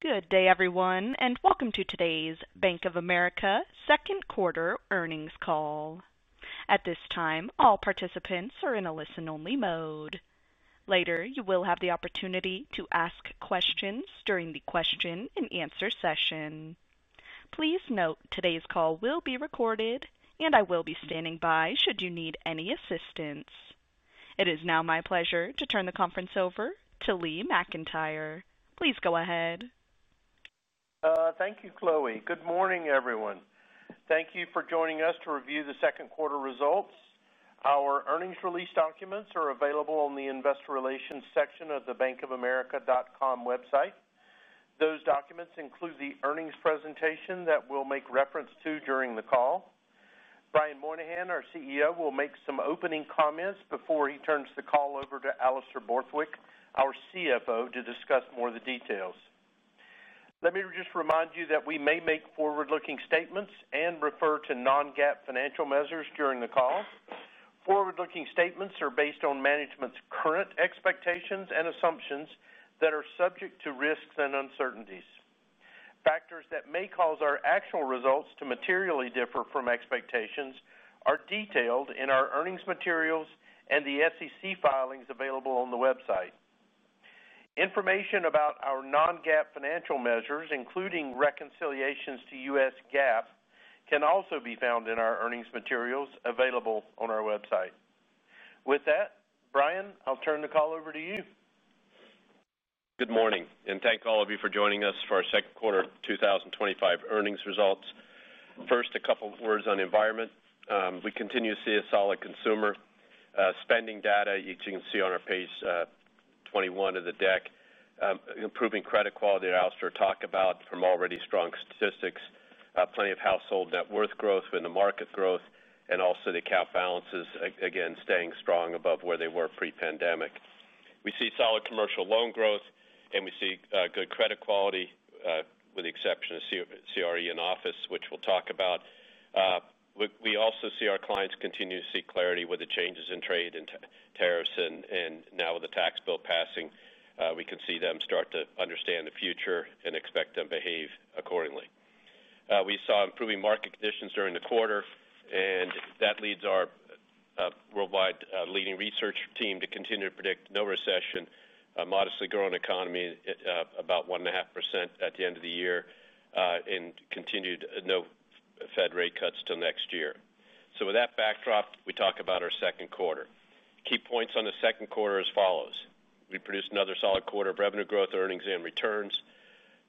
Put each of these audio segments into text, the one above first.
Good day, everyone, and welcome to today's Bank of America Second Quarter Earnings Call. At this time, all participants are in a listen-only mode. Later, you will have the opportunity to ask questions during the question-and-answer session. Please note today's call will be recorded, and I will be standing by should you need any assistance. It is now my pleasure to turn the conference over to Lee McIntyre. Please go ahead. Thank you, Chloe. Good morning, everyone. Thank you for joining us to review the second quarter results. Our earnings release documents are available on the investor relations section of the bankofamerica.com website. Those documents include the earnings presentation that we'll make reference to during the call. Brian Moynihan, our CEO, will make some opening comments before he turns the call over to Alastair Borthwick, our CFO, to discuss more of the details. Let me just remind you that we may make forward-looking statements and refer to non-GAAP financial measures during the call. Forward-looking statements are based on management's current expectations and assumptions that are subject to risks and uncertainties. Factors that may cause our actual results to materially differ from expectations are detailed in our earnings materials and the SEC filings available on the website. Information about our non-GAAP financial measures, including reconciliations to U.S. GAAP, can also be found in our earnings materials available on our website. With that, Brian, I'll turn the call over to you. Good morning, and thank all of you for joining us for our Second Quarter 2025 Earnings Results. First, a couple of words on environment. We continue to see solid consumer spending data, as you can see on our page 21 of the deck, improving credit quality that Alastair talked about from already strong statistics, plenty of household net worth growth in the market growth, and also the account balances, again, staying strong above where they were pre-pandemic. We see solid commercial loan growth, and we see good credit quality with the exception of CRE in office, which we'll talk about. We also see our clients continue to see clarity with the changes in trade and tariffs, and now with the tax bill passing, we can see them start to understand the future and expect them to behave accordingly. We saw improving market conditions during the quarter, and that leads our worldwide leading research team to continue to predict no recession, a modestly growing economy about 1.5% at the end of the year, and continued no Fed rate cuts till next year. With that backdrop, we talk about our second quarter. Key points on the second quarter as follows. We produced another solid quarter of revenue growth, earnings, and returns.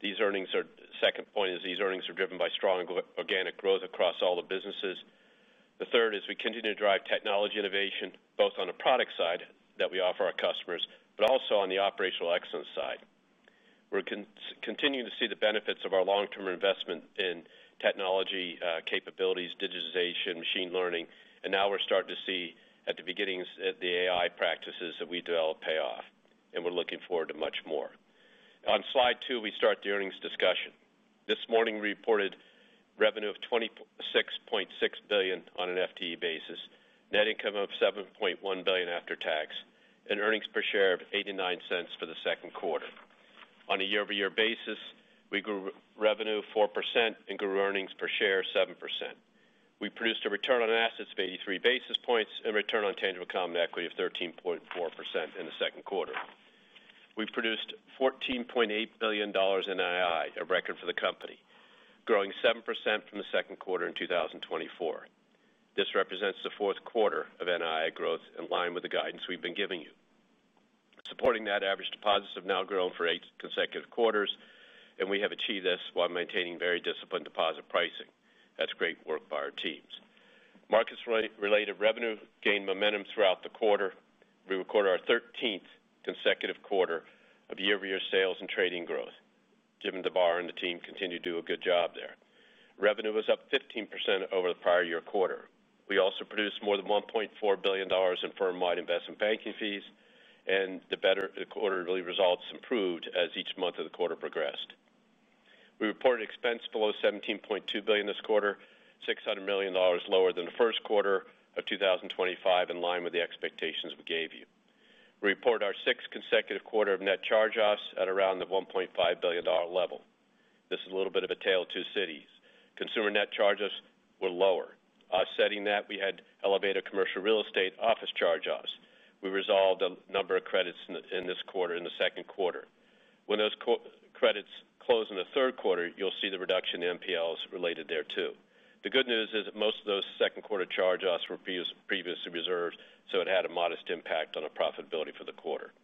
These earnings are—second point is these earnings are driven by strong organic growth across all the businesses. The third is we continue to drive technology innovation, both on the product side that we offer our customers, but also on the operational excellence side. We're continuing to see the benefits of our long-term investment in technology capabilities, digitization, machine learning, and now we're starting to see at the beginnings the AI practices that we develop pay off, and we're looking forward to much more. On slide two, we start the earnings discussion. This morning, we reported revenue of $26.6 billion on an FTE basis, net income of $7.1 billion after tax, and earnings per share of $0.89 for the second quarter. On a year-over-year basis, we grew revenue 4% and grew earnings per share 7%. We produced a return on assets of 83 basis points and return on tangible common equity of 13.4% in the second quarter. We produced $14.8 billion in NII, a record for the company, growing 7% from the second quarter in 2024. This represents the fourth quarter of NII growth in line with the guidance we've been giving you. Supporting that, average deposits have now grown for eight consecutive quarters, and we have achieved this while maintaining very disciplined deposit pricing. That's great work by our teams. Markets-related revenue gained momentum throughout the quarter. We record our 13th consecutive quarter of year-over-year sales and trading Jim DeMare and the team continue to do a good job there. Revenue was up 15% over the prior year quarter. We also produced more than $1.4 billion in firm-wide investment banking fees, and the quarterly results improved as each month of the quarter progressed. We reported expense below $17.2 billion this quarter, $600 million lower than the first quarter of 2025 in line with the expectations we gave you. We reported our sixth consecutive quarter of net charge-offs at around the $1.5 billion level. This is a little bit of a tale of two cities. Consumer net charge-offs were lower. Offsetting that, we had elevated commercial real estate office charge-offs. We resolved a number of credits in this quarter in the second quarter. When those credits close in the third quarter, you'll see the reduction in NPLs related there too. The good news is that most of those second quarter charge-offs were previously reserved, so it had a modest impact on our profitability for the quarter.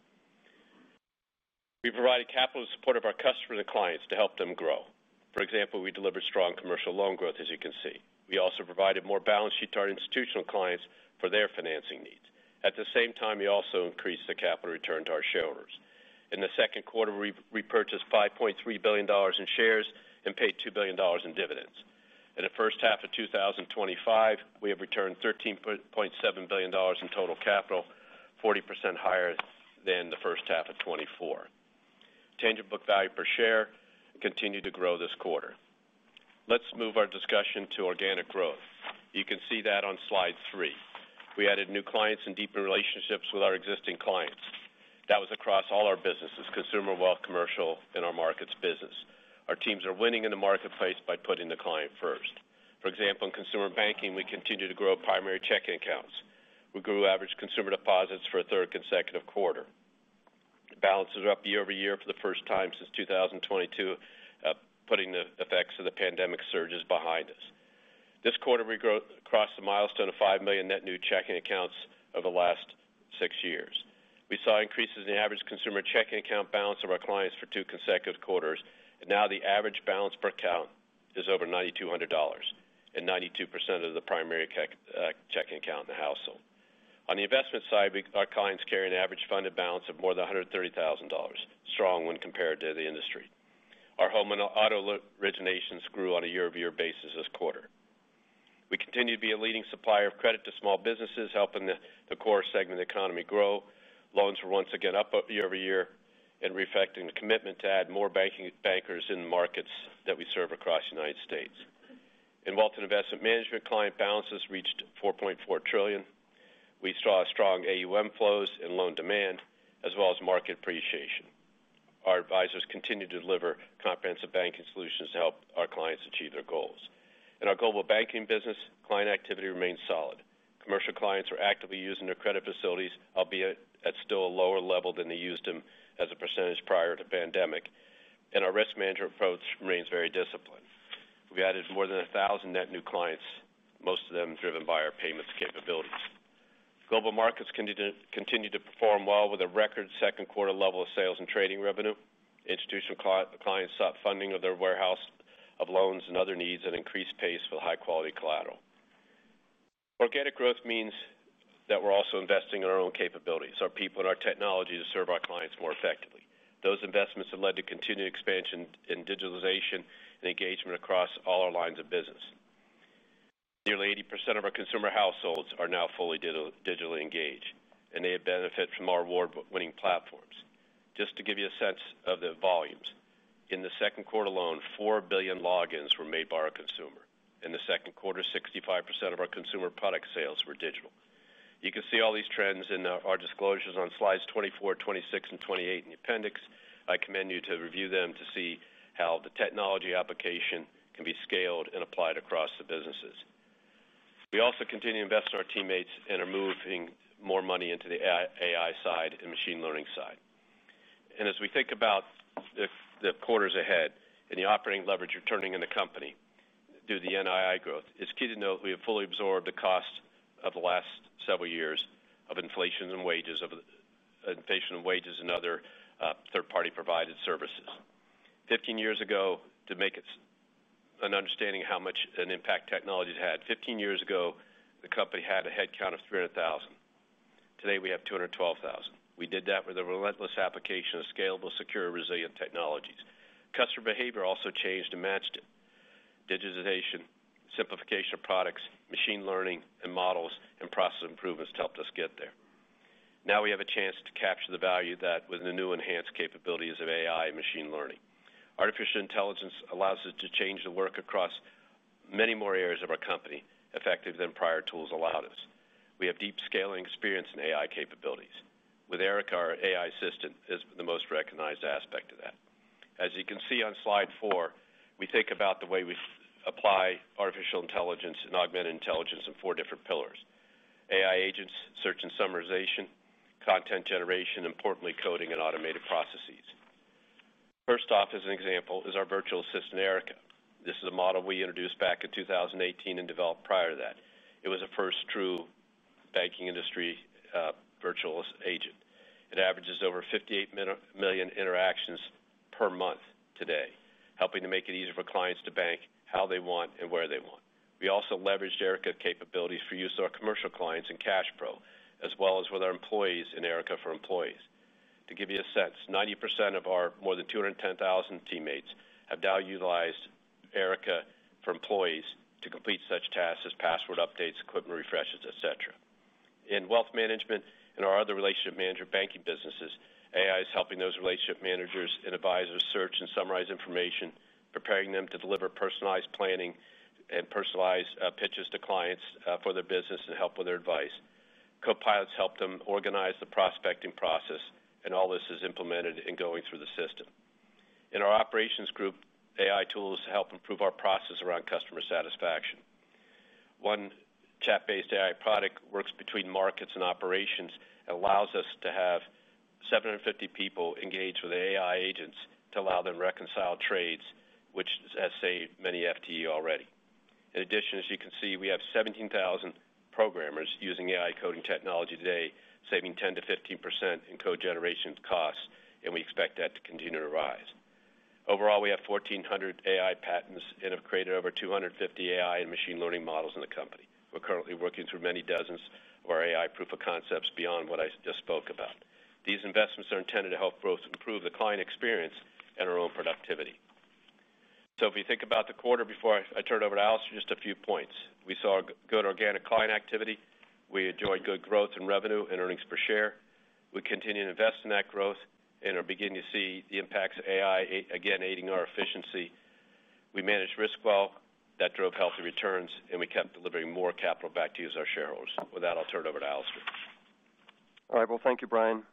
We provided capital to support our customers and clients to help them grow. For example, we delivered strong commercial loan growth, as you can see. We also provided more balance sheet to our institutional clients for their financing needs. At the same time, we also increased the capital return to our shareholders. In the second quarter, we repurchased $5.3 billion in shares and paid $2 billion in dividends. In the first half of 2025, we have returned $13.7 billion in total capital, 40% higher than the first half of 2024. Tangible book value per share continued to grow this quarter. Let's move our discussion to organic growth. You can see that on slide three. We added new clients and deepened relationships with our existing clients. That was across all our businesses: consumer, wealth, commercial, and our markets business. Our teams are winning in the marketplace by putting the client first. For example, in consumer banking, we continue to grow primary checking accounts. We grew average consumer deposits for a third consecutive quarter. Balances are up year over year for the first time since 2022, putting the effects of the pandemic surges behind us. This quarter, we grew across the milestone of 5 million net new checking accounts over the last six years. We saw increases in the average consumer checking account balance of our clients for two consecutive quarters, and now the average balance per account is over $9,200 and 92% of the primary checking account in the household. On the investment side, our clients carry an average funded balance of more than $130,000, strong when compared to the industry. Our home and auto originations grew on a year-over-year basis this quarter. We continue to be a leading supplier of credit to small businesses, helping the core segment of the economy grow. Loans were once again up year over year, and we're affecting the commitment to add more bankers in the markets that we serve across the United States. In wealth and investment management, client balances reached $4.4 trillion. We saw strong AUM flows and loan demand, as well as market appreciation. Our advisors continue to deliver comprehensive banking solutions to help our clients achieve their goals. In our global banking business, client activity remains solid. Commercial clients are actively using their credit facilities, albeit at still a lower level than they used them as a percentage prior to the pandemic, and our risk management approach remains very disciplined. We've added more than 1,000 net new clients, most of them driven by our payments capabilities. Global markets continue to perform well with a record second quarter level of sales and trading revenue. Institutional clients sought funding of their warehouse of loans and other needs at an increased pace with high-quality collateral. Organic growth means that we're also investing in our own capabilities, our people, and our technology to serve our clients more effectively. Those investments have led to continued expansion in digitalization and engagement across all our lines of business. Nearly 80% of our consumer households are now fully digitally engaged, and they have benefited from our award-winning platforms. Just to give you a sense of the volumes, in the second quarter alone, 4 billion logins were made by our consumer. In the second quarter, 65% of our consumer product sales were digital. You can see all these trends in our disclosures on slides 24, 26, and 28 in the appendix. I commend you to review them to see how the technology application can be scaled and applied across the businesses. We also continue to invest in our teammates and are moving more money into the AI side and machine learning side. As we think about the quarters ahead and the operating leverage returning in the company due to the NII growth, it's key to note we have fully absorbed the cost of the last several years of inflation and wages and other third-party-provided services. Fifteen years ago, to make an understanding of how much an impact technology has had, fifteen years ago, the company had a headcount of 300,000. Today, we have 212,000. We did that with a relentless application of scalable, secure, and resilient technologies. Customer behavior also changed and matched it. Digitization, simplification of products, machine learning, and models and process improvements helped us get there. Now we have a chance to capture the value that with the new enhanced capabilities of AI and machine learning. Artificial intelligence allows us to change the work across many more areas of our company effectively than prior tools allowed us. We have deep scaling experience in AI capabilities. With Erica, our AI assistant is the most recognized aspect of that. As you can see on slide four, we think about the way we apply artificial intelligence and augmented intelligence in four different pillars: AI agents, search and summarization, content generation, and importantly, coding and automated processes. First off, as an example, is our virtual assistant, Erica. This is a model we introduced back in 2018 and developed prior to that. It was a first true banking industry virtual agent. It averages over 58 million interactions per month today, helping to make it easier for clients to bank how they want and where they want. We also leveraged Erica's capabilities for use with our commercial clients and CashPro, as well as with our employees in Erica for Employees. To give you a sense, 90% of our more than 210,000 teammates have now utilized Erica for Employees to complete such tasks as password updates, equipment refreshes, etc. In wealth management and our other relationship manager banking businesses, AI is helping those relationship managers and advisors search and summarize information, preparing them to deliver personalized planning and personalized pitches to clients for their business and help with their advice. Copilots help them organize the prospecting process, and all this is implemented and going through the system. In our operations group, AI tools help improve our process around customer satisfaction. One chat-based AI product works between markets and operations and allows us to have 750 people engaged with AI agents to allow them to reconcile trades, which has saved many FTEs already. In addition, as you can see, we have 17,000 programmers using AI coding technology today, saving 10-15% in code generation costs, and we expect that to continue to rise. Overall, we have 1,400 AI patents and have created over 250 AI and machine learning models in the company. We're currently working through many dozens of our AI proof of concepts beyond what I just spoke about. These investments are intended to help both improve the client experience and our own productivity. If you think about the quarter before I turn it over to Alison, just a few points. We saw good organic client activity. We enjoyed good growth in revenue and earnings per share. We continue to invest in that growth and are beginning to see the impacts of AI again aiding our efficiency. We managed risk well. That drove healthy returns, and we kept delivering more capital back to our shareholders. With that, I'll turn it over to Alison. All right. Thank you, Brian.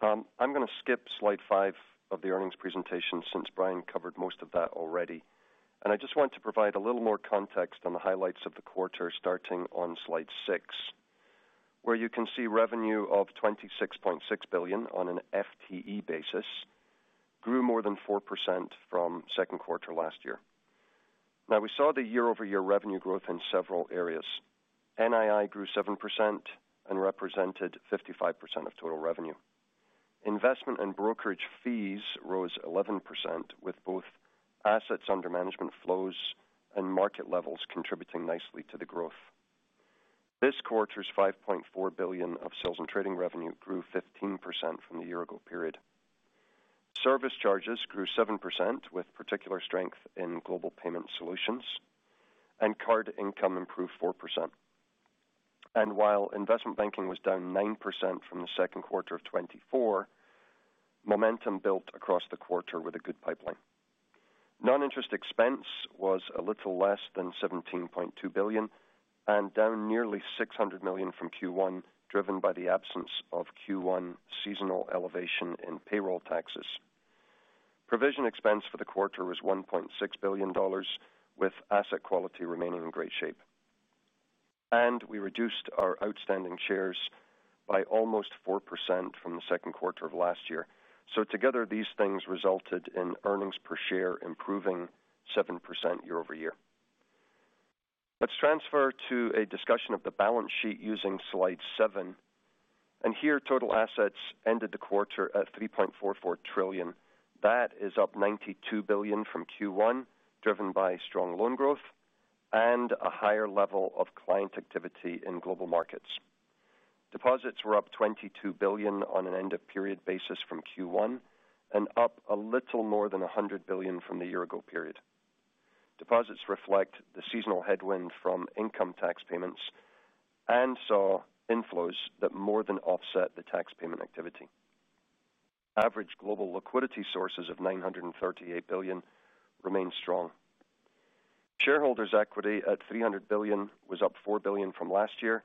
I'm going to skip slide five of the earnings presentation since Brian covered most of that already. I just want to provide a little more context on the highlights of the quarter, starting on slide six, where you can see revenue of $26.6 billion on an FTE basis grew more than 4% from second quarter last year. Now, we saw the year-over-year revenue growth in several areas. NII grew 7% and represented 55% of total revenue. Investment and brokerage fees rose 11%, with both assets under management flows and market levels contributing nicely to the growth. This quarter's $5.4 billion of sales and trading revenue grew 15% from the year-ago period. Service charges grew 7%, with particular strength in global payment solutions, and card income improved 4%. While investment banking was down 9% from the second quarter of 2024, momentum built across the quarter with a good pipeline. Non-interest expense was a little less than $17.2 billion and down nearly $600 million from Q1, driven by the absence of Q1 seasonal elevation in payroll taxes. Provision expense for the quarter was $1.6 billion, with asset quality remaining in great shape. We reduced our outstanding shares by almost 4% from the second quarter of last year. Together, these things resulted in earnings per share improving 7% year over year. Let's transfer to a discussion of the balance sheet using slide seven. Here, total assets ended the quarter at $3.44 trillion. That is up $92 billion from Q1, driven by strong loan growth and a higher level of client activity in global markets. Deposits were up $22 billion on an end-of-period basis from Q1 and up a little more than $100 billion from the year-ago period. Deposits reflect the seasonal headwind from income tax payments and saw inflows that more than offset the tax payment activity. Average global liquidity sources of $938 billion remained strong. Shareholders' equity at $300 billion was up $4 billion from last year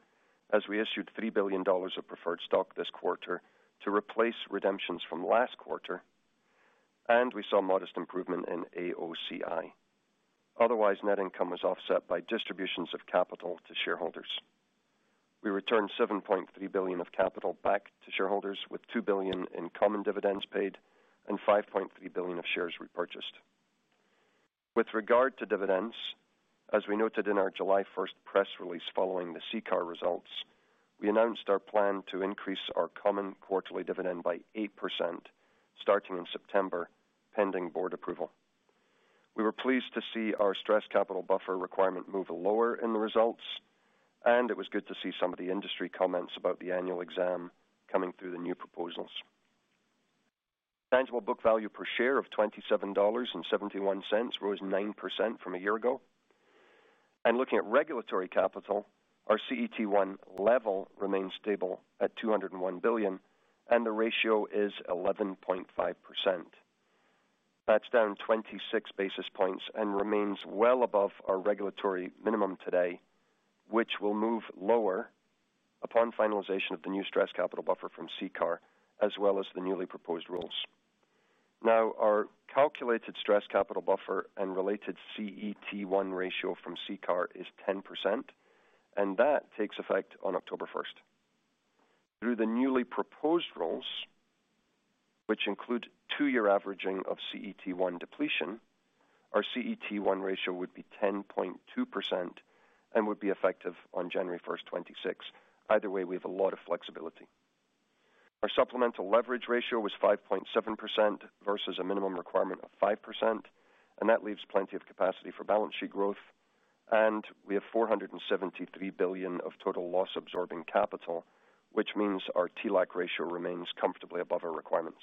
as we issued $3 billion of preferred stock this quarter to replace redemptions from last quarter, and we saw modest improvement in AOCI. Otherwise, net income was offset by distributions of capital to shareholders. We returned $7.3 billion of capital back to shareholders, with $2 billion in common dividends paid and $5.3 billion of shares repurchased. With regard to dividends, as we noted in our July 1 press release following the CECAR results, we announced our plan to increase our common quarterly dividend by 8% starting in September, pending board approval. We were pleased to see our stress capital buffer requirement move lower in the results, and it was good to see some of the industry comments about the annual exam coming through the new proposals. Tangible book value per share of $27.71 rose 9% from a year ago. Looking at regulatory capital, our CET1 level remains stable at $201 billion, and the ratio is 11.5%. That is down 26 basis points and remains well above our regulatory minimum today, which will move lower upon finalization of the new stress capital buffer from CECAR, as well as the newly proposed rules. Now, our calculated stress capital buffer and related CET1 ratio from CECAR is 10%, and that takes effect on October 1. Through the newly proposed rules, which include two-year averaging of CET1 depletion, our CET1 ratio would be 10.2% and would be effective on January 1, 2026. Either way, we have a lot of flexibility. Our supplemental leverage ratio was 5.7% versus a minimum requirement of 5%, and that leaves plenty of capacity for balance sheet growth. We have $473 billion of total loss-absorbing capital, which means our TLAC ratio remains comfortably above our requirements.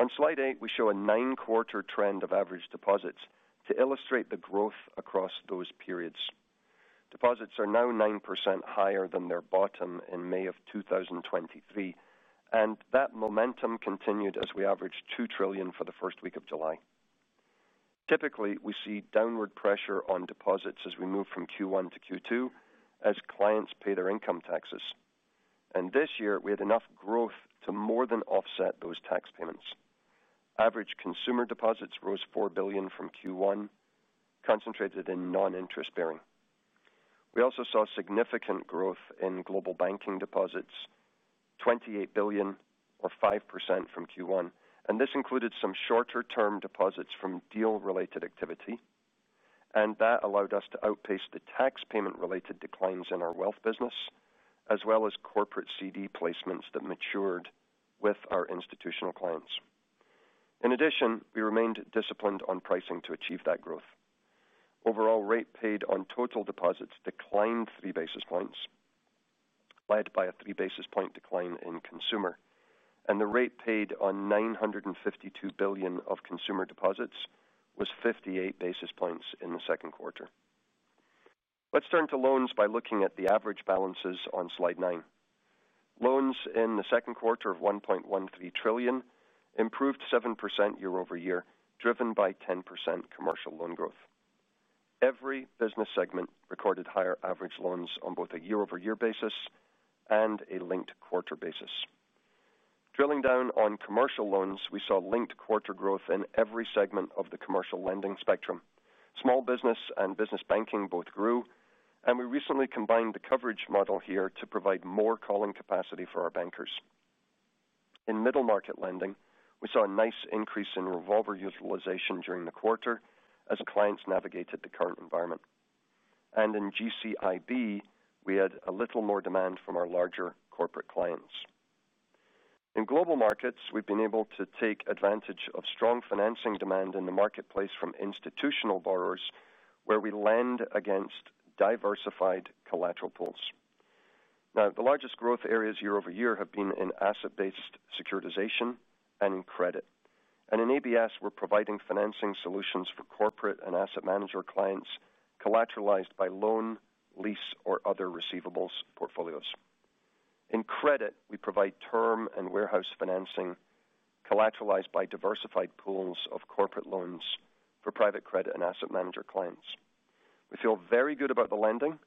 On slide eight, we show a nine-quarter trend of average deposits to illustrate the growth across those periods. Deposits are now 9% higher than their bottom in May of 2023, and that momentum continued as we averaged $2 trillion for the first week of July. Typically, we see downward pressure on deposits as we move from Q1 to Q2 as clients pay their income taxes. This year, we had enough growth to more than offset those tax payments. Average consumer deposits rose $4 billion from Q1, concentrated in non-interest bearing. We also saw significant growth in global banking deposits, $28 billion, or 5% from Q1. This included some shorter-term deposits from deal-related activity. That allowed us to outpace the tax-payment-related declines in our wealth business, as well as corporate CD placements that matured with our institutional clients. In addition, we remained disciplined on pricing to achieve that growth. Overall, rate paid on total deposits declined three basis points, led by a three-basis-point decline in consumer. The rate paid on $952 billion of consumer deposits was 58 basis points in the second quarter. Let's turn to loans by looking at the average balances on slide nine. Loans in the second quarter of $1.13 trillion improved 7% year-over-year, driven by 10% commercial loan growth. Every business segment recorded higher average loans on both a year-over-year basis and a linked quarter basis. Drilling down on commercial loans, we saw linked quarter growth in every segment of the commercial lending spectrum. Small business and business banking both grew, and we recently combined the coverage model here to provide more calling capacity for our bankers. In middle-market lending, we saw a nice increase in revolver utilization during the quarter as clients navigated the current environment. In GCIB, we had a little more demand from our larger corporate clients. In global markets, we've been able to take advantage of strong financing demand in the marketplace from institutional borrowers, where we lend against diversified collateral pools. Now, the largest growth areas year-over-year have been in asset-based securitization and in credit. In ABS, we're providing financing solutions for corporate and asset manager clients collateralized by loan, lease, or other receivables portfolios. In credit, we provide term and warehouse financing collateralized by diversified pools of corporate loans for private credit and asset manager clients. We feel very good about the lending,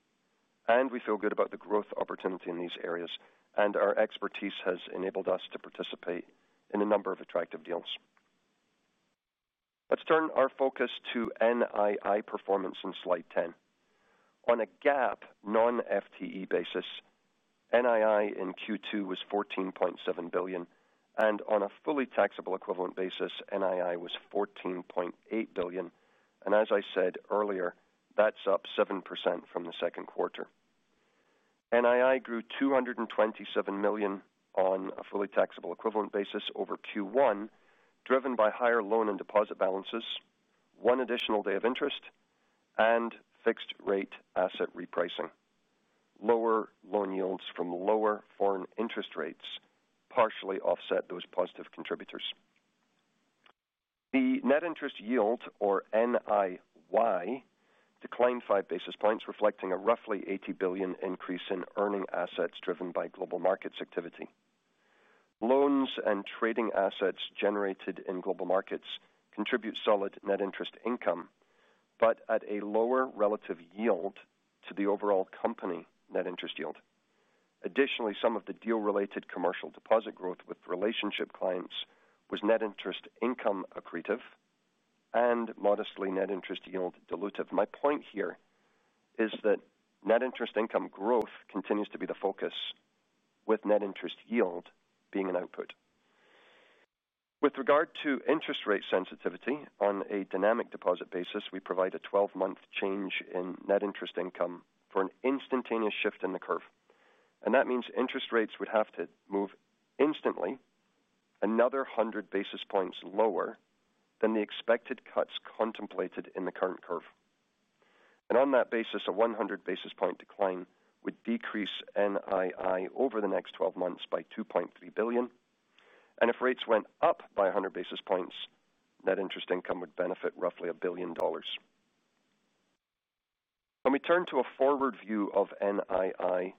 and we feel good about the growth opportunity in these areas. Our expertise has enabled us to participate in a number of attractive deals. Let's turn our focus to NII performance in slide ten. On a GAAP non-FTE basis, NII in Q2 was $14.7 billion. On a fully taxable equivalent basis, NII was $14.8 billion. As I said earlier, that's up 7% from the second quarter. NII grew $227 million on a fully taxable equivalent basis over Q1, driven by higher loan and deposit balances, one additional day of interest, and fixed-rate asset repricing. Lower loan yields from lower foreign interest rates partially offset those positive contributors. The net interest yield, or NIY, declined five basis points, reflecting a roughly $80 billion increase in earning assets driven by global markets activity. Loans and trading assets generated in global markets contribute solid net interest income, but at a lower relative yield to the overall company net interest yield. Additionally, some of the deal-related commercial deposit growth with relationship clients was net interest income accretive and modestly net interest yield dilutive. My point here is that net interest income growth continues to be the focus, with net interest yield being an output. With regard to interest rate sensitivity, on a dynamic deposit basis, we provide a 12-month change in net interest income for an instantaneous shift in the curve. That means interest rates would have to move instantly another 100 basis points lower than the expected cuts contemplated in the current curve. On that basis, a 100 basis point decline would decrease NII over the next 12 months by $2.3 billion. If rates went up by 100 basis points, net interest income would benefit roughly $1 billion. When we turn to a forward view of NII,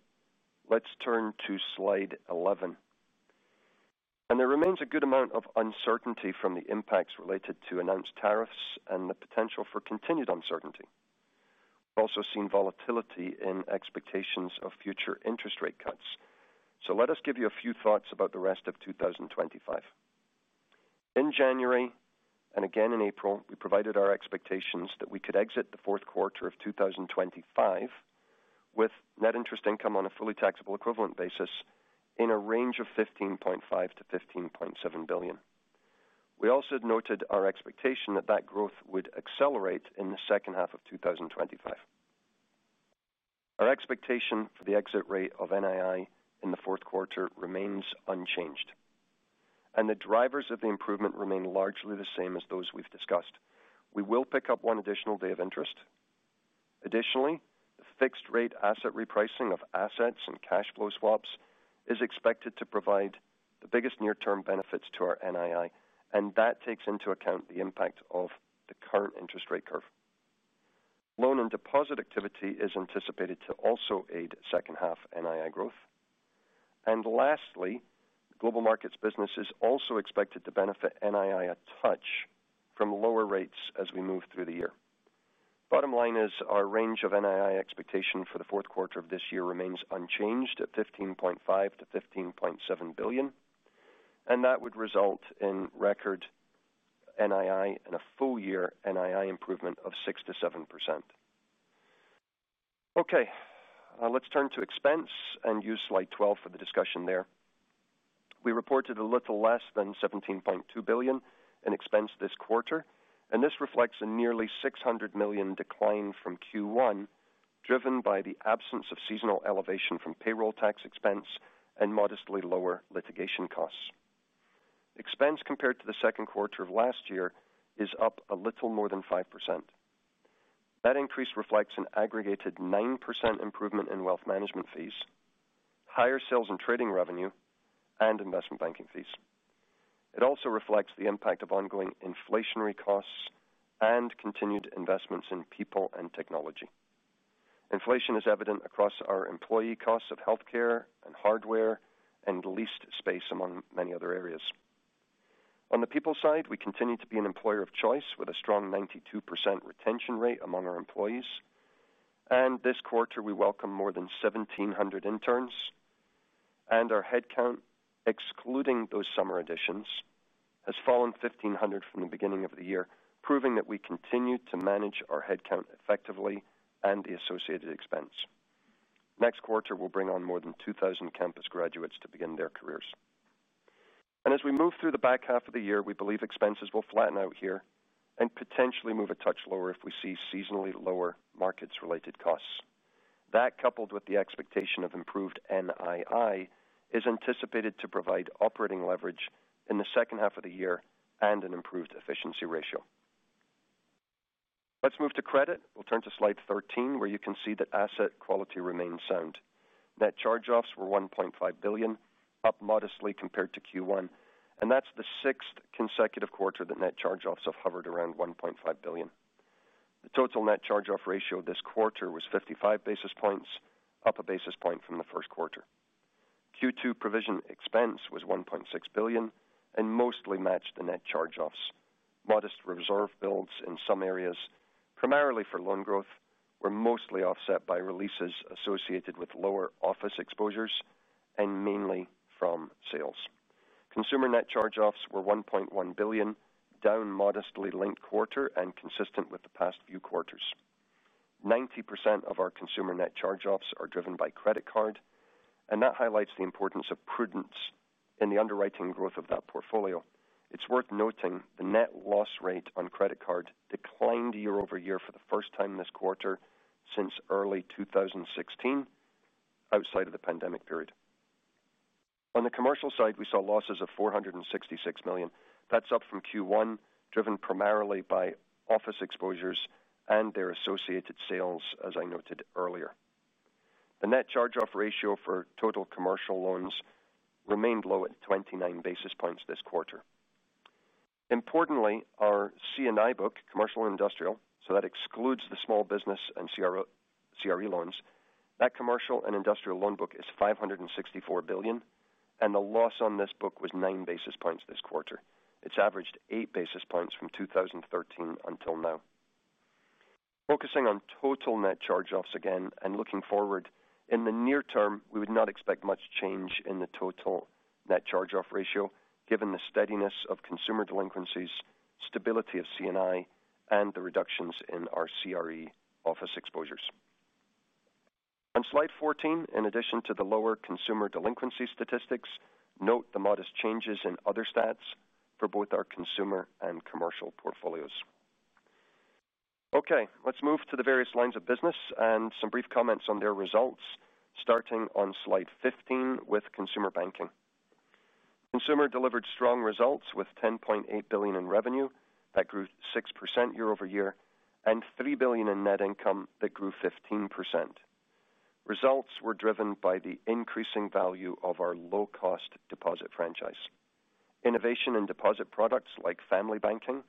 let's turn to slide 11. There remains a good amount of uncertainty from the impacts related to announced tariffs and the potential for continued uncertainty. We've also seen volatility in expectations of future interest rate cuts. Let us give you a few thoughts about the rest of 2025. In January, and again in April, we provided our expectations that we could exit the fourth quarter of 2025 with net interest income on a fully taxable equivalent basis in a range of $15.5 billion-$15.7 billion. We also noted our expectation that that growth would accelerate in the second half of 2025. Our expectation for the exit rate of NII in the fourth quarter remains unchanged. The drivers of the improvement remain largely the same as those we've discussed. We will pick up one additional day of interest. Additionally, the fixed-rate asset repricing of assets and cash flow swaps is expected to provide the biggest near-term benefits to our NII, and that takes into account the impact of the current interest rate curve. Loan and deposit activity is anticipated to also aid second-half NII growth. Lastly, global markets business is also expected to benefit NII a touch from lower rates as we move through the year. Bottom line is our range of NII expectation for the fourth quarter of this year remains unchanged at $15.5 billion-$15.7 billion. That would result in record NII and a full-year NII improvement of 6%-7%. Okay. Let's turn to expense and use slide 12 for the discussion there. We reported a little less than $17.2 billion in expense this quarter, and this reflects a nearly $600 million decline from Q1, driven by the absence of seasonal elevation from payroll tax expense and modestly lower litigation costs. Expense compared to the second quarter of last year is up a little more than 5%. That increase reflects an aggregated 9% improvement in wealth management fees, higher sales and trading revenue, and investment banking fees. It also reflects the impact of ongoing inflationary costs and continued investments in people and technology. Inflation is evident across our employee costs of healthcare and hardware and leased space among many other areas. On the people side, we continue to be an employer of choice with a strong 92% retention rate among our employees. This quarter, we welcome more than 1,700 interns. Our headcount, excluding those summer additions, has fallen 1,500 from the beginning of the year, proving that we continue to manage our headcount effectively and the associated expense. Next quarter, we will bring on more than 2,000 campus graduates to begin their careers. As we move through the back half of the year, we believe expenses will flatten out here and potentially move a touch lower if we see seasonally lower markets-related costs. That, coupled with the expectation of improved NII, is anticipated to provide operating leverage in the second half of the year and an improved efficiency ratio. Let's move to credit. We'll turn to slide 13, where you can see that asset quality remains sound. Net charge-offs were $1.5 billion, up modestly compared to Q1. That's the sixth consecutive quarter that net charge-offs have hovered around $1.5 billion. The total net charge-off ratio this quarter was 55 basis points, up a basis point from the first quarter. Q2 provision expense was $1.6 billion and mostly matched the net charge-offs. Modest reserve builds in some areas, primarily for loan growth, were mostly offset by releases associated with lower office exposures and mainly from sales. Consumer net charge-offs were $1.1 billion, down modestly linked quarter and consistent with the past few quarters. 90% of our consumer net charge-offs are driven by credit card. That highlights the importance of prudence in the underwriting growth of that portfolio. It's worth noting the net loss rate on credit card declined year-over-year for the first time this quarter since early 2016, outside of the pandemic period. On the commercial side, we saw losses of $466 million. That's up from Q1, driven primarily by office exposures and their associated sales, as I noted earlier. The net charge-off ratio for total commercial loans remained low at 29 basis points this quarter. Importantly, our C&I book, commercial and industrial, so that excludes the small business and CRE loans, that commercial and industrial loan book is $564 billion. The loss on this book was 9 basis points this quarter. It's averaged 8 basis points from 2013 until now. Focusing on total net charge-offs again and looking forward, in the near term, we would not expect much change in the total net charge-off ratio, given the steadiness of consumer delinquencies, stability of C&I, and the reductions in our CRE office exposures. On slide 14, in addition to the lower consumer delinquency statistics, note the modest changes in other stats for both our consumer and commercial portfolios. Okay. Let's move to the various lines of business and some brief comments on their results, starting on slide 15 with consumer banking. Consumer delivered strong results with $10.8 billion in revenue that grew 6% year-over-year and $3 billion in net income that grew 15%. Results were driven by the increasing value of our low-cost deposit franchise. Innovation in deposit products like family banking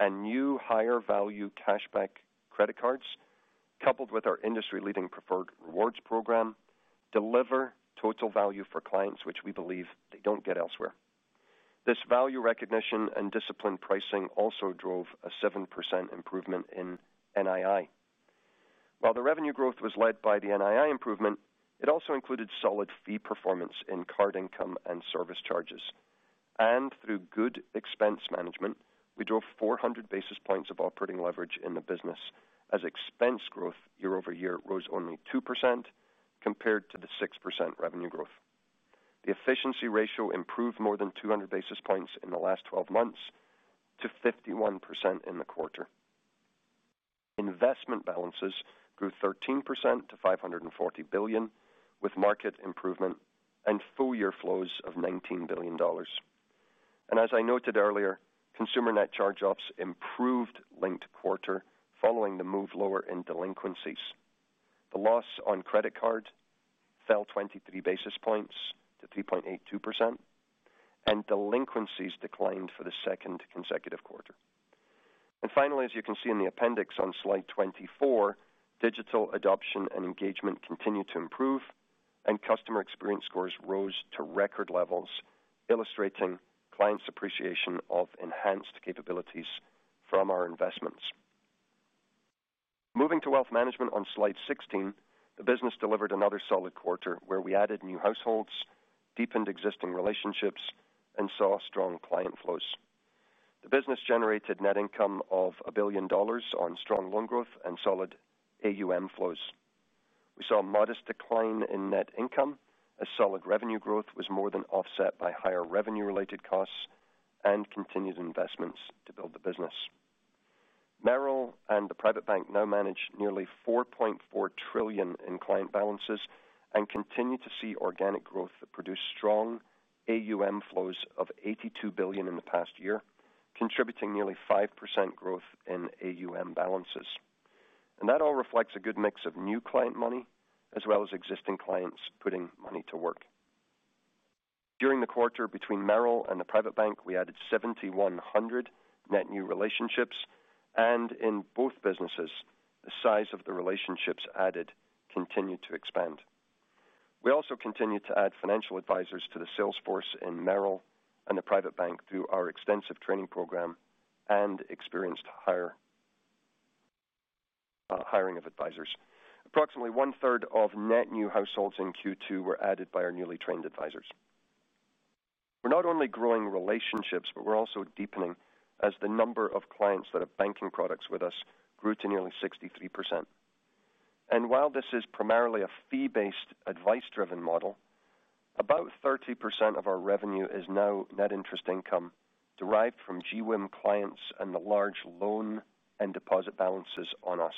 and new higher-value cashback credit cards, coupled with our industry-leading preferred rewards program, deliver total value for clients, which we believe they don't get elsewhere. This value recognition and disciplined pricing also drove a 7% improvement in NII. While the revenue growth was led by the NII improvement, it also included solid fee performance in card income and service charges. Through good expense management, we drove 400 basis points of operating leverage in the business, as expense growth year-over-year rose only 2% compared to the 6% revenue growth. The efficiency ratio improved more than 200 basis points in the last 12 months to 51% in the quarter. Investment balances grew 13% to $540 billion, with market improvement and full-year flows of $19 billion. As I noted earlier, consumer net charge-offs improved linked quarter following the move lower in delinquencies. The loss on credit card fell 23 basis points to 3.82%, and delinquencies declined for the second consecutive quarter. As you can see in the appendix on slide 24, digital adoption and engagement continued to improve, and customer experience scores rose to record levels, illustrating clients' appreciation of enhanced capabilities from our investments. Moving to wealth management on slide 16, the business delivered another solid quarter where we added new households, deepened existing relationships, and saw strong client flows. The business generated net income of $1 billion on strong loan growth and solid AUM flows. We saw a modest decline in net income as solid revenue growth was more than offset by higher revenue-related costs and continued investments to build the business. Merrill and the Private Bank now manage nearly $4.4 trillion in client balances and continue to see organic growth that produced strong AUM flows of $82 billion in the past year, contributing nearly 5% growth in AUM balances. That all reflects a good mix of new client money as well as existing clients putting money to work. During the quarter, between Merrill and the Private Bank, we added 7,100 net new relationships. In both businesses, the size of the relationships added continued to expand. We also continued to add financial advisors to the sales force in Merrill and the Private Bank through our extensive training program and experienced hiring of advisors. Approximately one-third of net new households in Q2 were added by our newly trained advisors. We're not only growing relationships, but we're also deepening as the number of clients that have banking products with us grew to nearly 63%. While this is primarily a fee-based advice-driven model, about 30% of our revenue is now net interest income derived from GWIM clients and the large loan and deposit balances on us.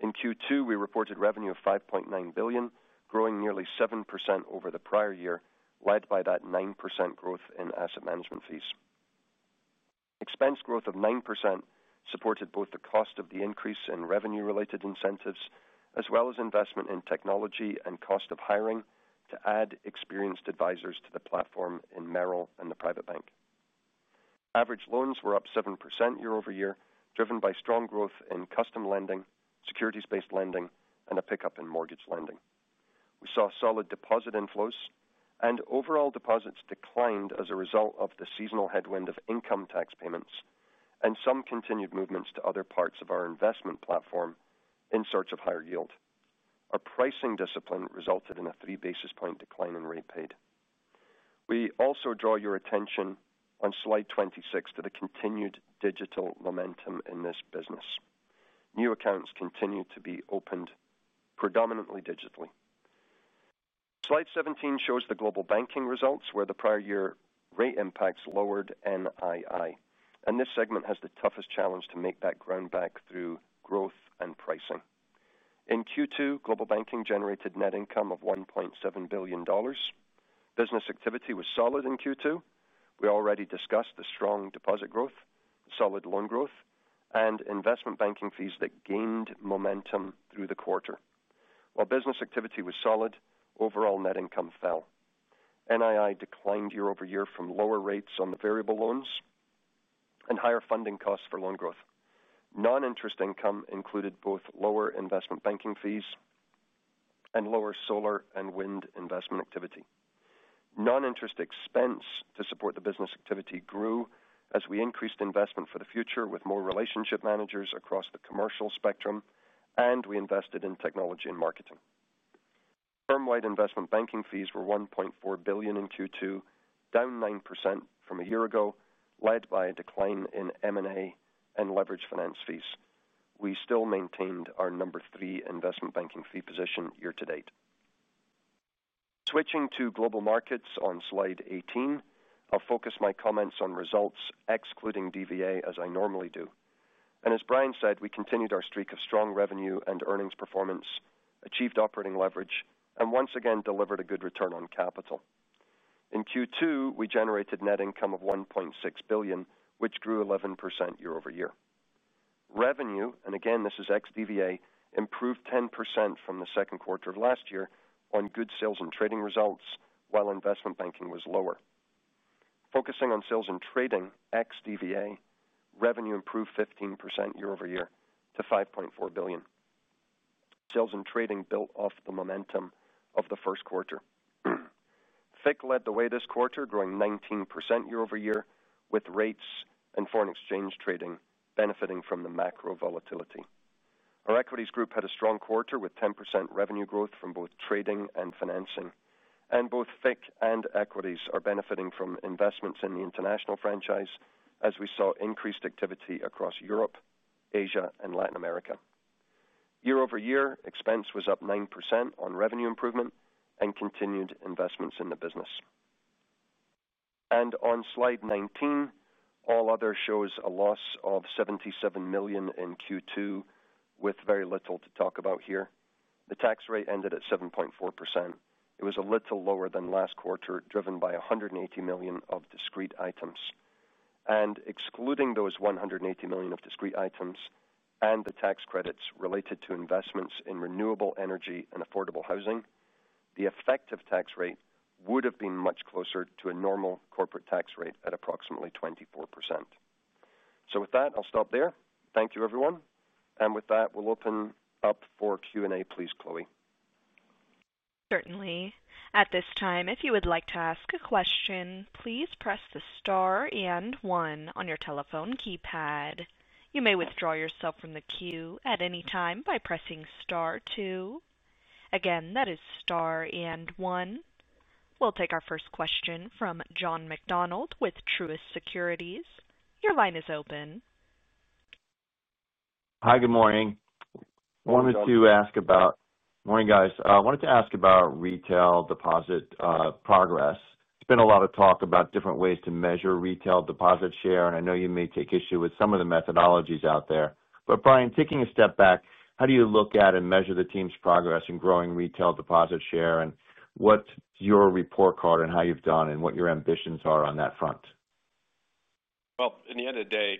In Q2, we reported revenue of $5.9 billion, growing nearly 7% over the prior year, led by that 9% growth in asset management fees. Expense growth of 9% supported both the cost of the increase in revenue-related incentives as well as investment in technology and cost of hiring to add experienced advisors to the platform in Merrill and the Private Bank. Average loans were up 7% year-over-year, driven by strong growth in custom lending, securities-based lending, and a pickup in mortgage lending. We saw solid deposit inflows, and overall deposits declined as a result of the seasonal headwind of income tax payments and some continued movements to other parts of our investment platform in search of higher yield. Our pricing discipline resulted in a 3 basis point decline in rate paid. We also draw your attention on slide 26 to the continued digital momentum in this business. New accounts continue to be opened predominantly digitally. Slide 17 shows the global banking results, where the prior year rate impacts lowered NII. This segment has the toughest challenge to make that ground back through growth and pricing. In Q2, global banking generated net income of $1.7 billion. Business activity was solid in Q2. We already discussed the strong deposit growth, solid loan growth, and investment banking fees that gained momentum through the quarter. While business activity was solid, overall net income fell. NII declined year-over-year from lower rates on the variable loans and higher funding costs for loan growth. Non-interest income included both lower investment banking fees and lower solar and wind investment activity. Non-interest expense to support the business activity grew as we increased investment for the future with more relationship managers across the commercial spectrum, and we invested in technology and marketing. Firm-wide investment banking fees were $1.4 billion in Q2, down 9% from a year ago, led by a decline in M&A and leverage finance fees. We still maintained our number three investment banking fee position year to date. Switching to global markets on slide 18, I'll focus my comments on results, excluding DVA, as I normally do. As Brian said, we continued our streak of strong revenue and earnings performance, achieved operating leverage, and once again delivered a good return on capital. In Q2, we generated net income of $1.6 billion, which grew 11% year-over-year. Revenue, and again, this is ex-DVA, improved 10% from the second quarter of last year on good sales and trading results while investment banking was lower. Focusing on sales and trading, ex-DVA, revenue improved 15% year-over-year to $5.4 billion. Sales and trading built off the momentum of the first quarter. FICC led the way this quarter, growing 19% year-over-year with rates and foreign exchange trading benefiting from the macro volatility. Our equities group had a strong quarter with 10% revenue growth from both trading and financing. Both FICC and equities are benefiting from investments in the international franchise as we saw increased activity across Europe, Asia, and Latin America. Year-over-year, expense was up 9% on revenue improvement and continued investments in the business. On slide 19, all other shows a loss of $77 million in Q2 with very little to talk about here. The tax rate ended at 7.4%. It was a little lower than last quarter, driven by $180 million of discrete items. Excluding those $180 million of discrete items and the tax credits related to investments in renewable energy and affordable housing, the effective tax rate would have been much closer to a normal corporate tax rate at approximately 24%. I will stop there. Thank you, everyone. With that, we will open up for Q&A. Please, Chloe. Certainly. At this time, if you would like to ask a question, please press the star and one on your telephone keypad. You may withdraw yourself from the queue at any time by pressing star two. Again, that is star and one. We'll take our first question from John McDonald with Truist Securities. Your line is open. Hi, good morning. I wanted to ask about retail deposit progress. There's been a lot of talk about different ways to measure retail deposit share, and I know you may take issue with some of the methodologies out there. Brian, taking a step back, how do you look at and measure the team's progress in growing retail deposit share and what's your report card and how you've done and what your ambitions are on that front? In the end of the day,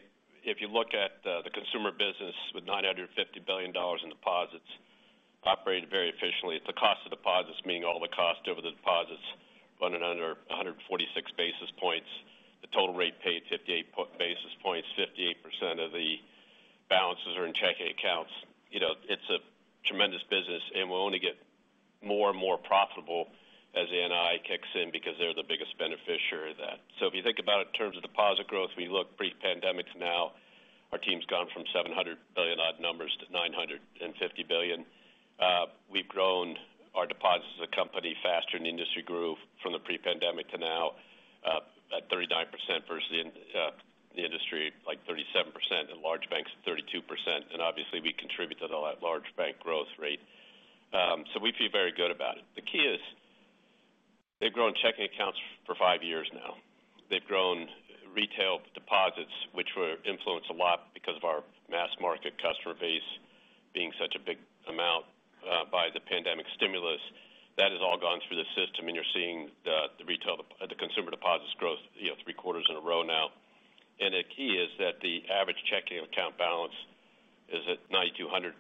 if you look at the consumer business with $950 billion in deposits operating very efficiently, the cost of deposits meaning all the cost over the deposits running under 146 basis points, the total rate paid 58 basis points, 58% of the balances are in checking accounts. It is a tremendous business, and it will only get more and more profitable as AI kicks in because they are the biggest beneficiary of that. If you think about it in terms of deposit growth, we look pre-pandemic to now, our team's gone from $700 billion odd numbers to $950 billion. We have grown our deposits as a company faster than the industry grew from the pre-pandemic to now at 39% versus the industry, like 37%, and large banks at 32%. Obviously, we contribute to the large bank growth rate. We feel very good about it. The key is they've grown checking accounts for five years now. They've grown retail deposits, which were influenced a lot because of our mass market customer base being such a big amount by the pandemic stimulus. That has all gone through the system, and you're seeing the retail, the consumer deposits grow three quarters in a row now. The key is that the average checking account balance is at $9,200,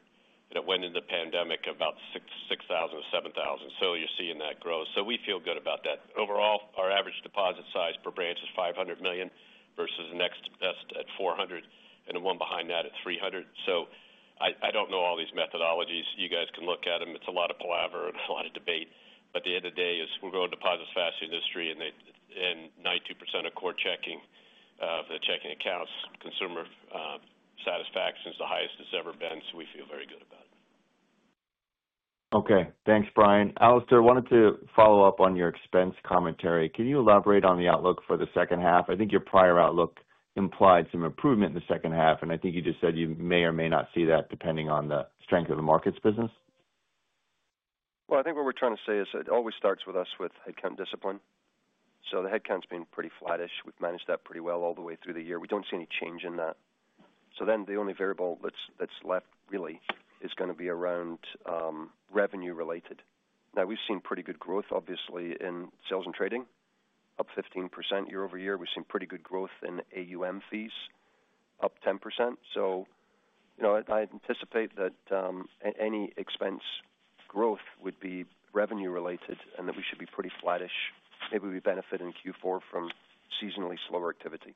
and it went into the pandemic at about $6,000-$7,000. You're seeing that growth. We feel good about that. Overall, our average deposit size per branch is $500 million versus the next best at $400 million and the one behind that at $300 million. I do not know all these methodologies. You guys can look at them. It's a lot of palaver and a lot of debate. At the end of the day, we're growing deposits faster than the industry, and 92% of core checking of the checking accounts, consumer satisfaction is the highest it's ever been. We feel very good about it. Okay. Thanks, Brian. Alastair, wanted to follow up on your expense commentary. Can you elaborate on the outlook for the second half? I think your prior outlook implied some improvement in the second half, and I think you just said you may or may not see that depending on the strength of the markets business. I think what we're trying to say is it always starts with us with headcount discipline. The headcount's been pretty flattish. We've managed that pretty well all the way through the year. We don't see any change in that. The only variable that's left really is going to be around revenue-related. Now, we've seen pretty good growth, obviously, in sales and trading, up 15% year-over-year. We've seen pretty good growth in AUM fees, up 10%. I anticipate that any expense growth would be revenue-related and that we should be pretty flattish. Maybe we benefit in Q4 from seasonally slower activity.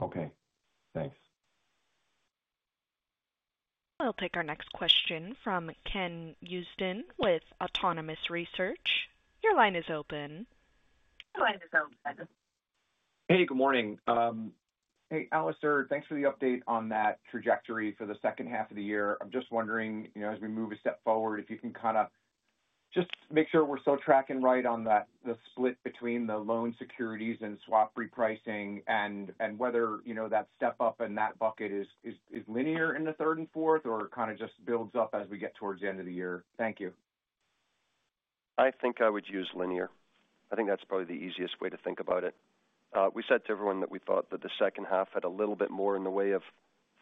Okay. Thanks. We'll take our next question from Ken Houston with Autonomous Research. Your line is open. Hey, good morning. Hey, Alastair, thanks for the update on that trajectory for the second half of the year. I'm just wondering, as we move a step forward, if you can kind of just make sure we're still tracking right on the split between the loan securities and swap repricing and whether that step up in that bucket is linear in the third and fourth or kind of just builds up as we get towards the end of the year. Thank you. I think I would use linear. I think that's probably the easiest way to think about it. We said to everyone that we thought that the second half had a little bit more in the way of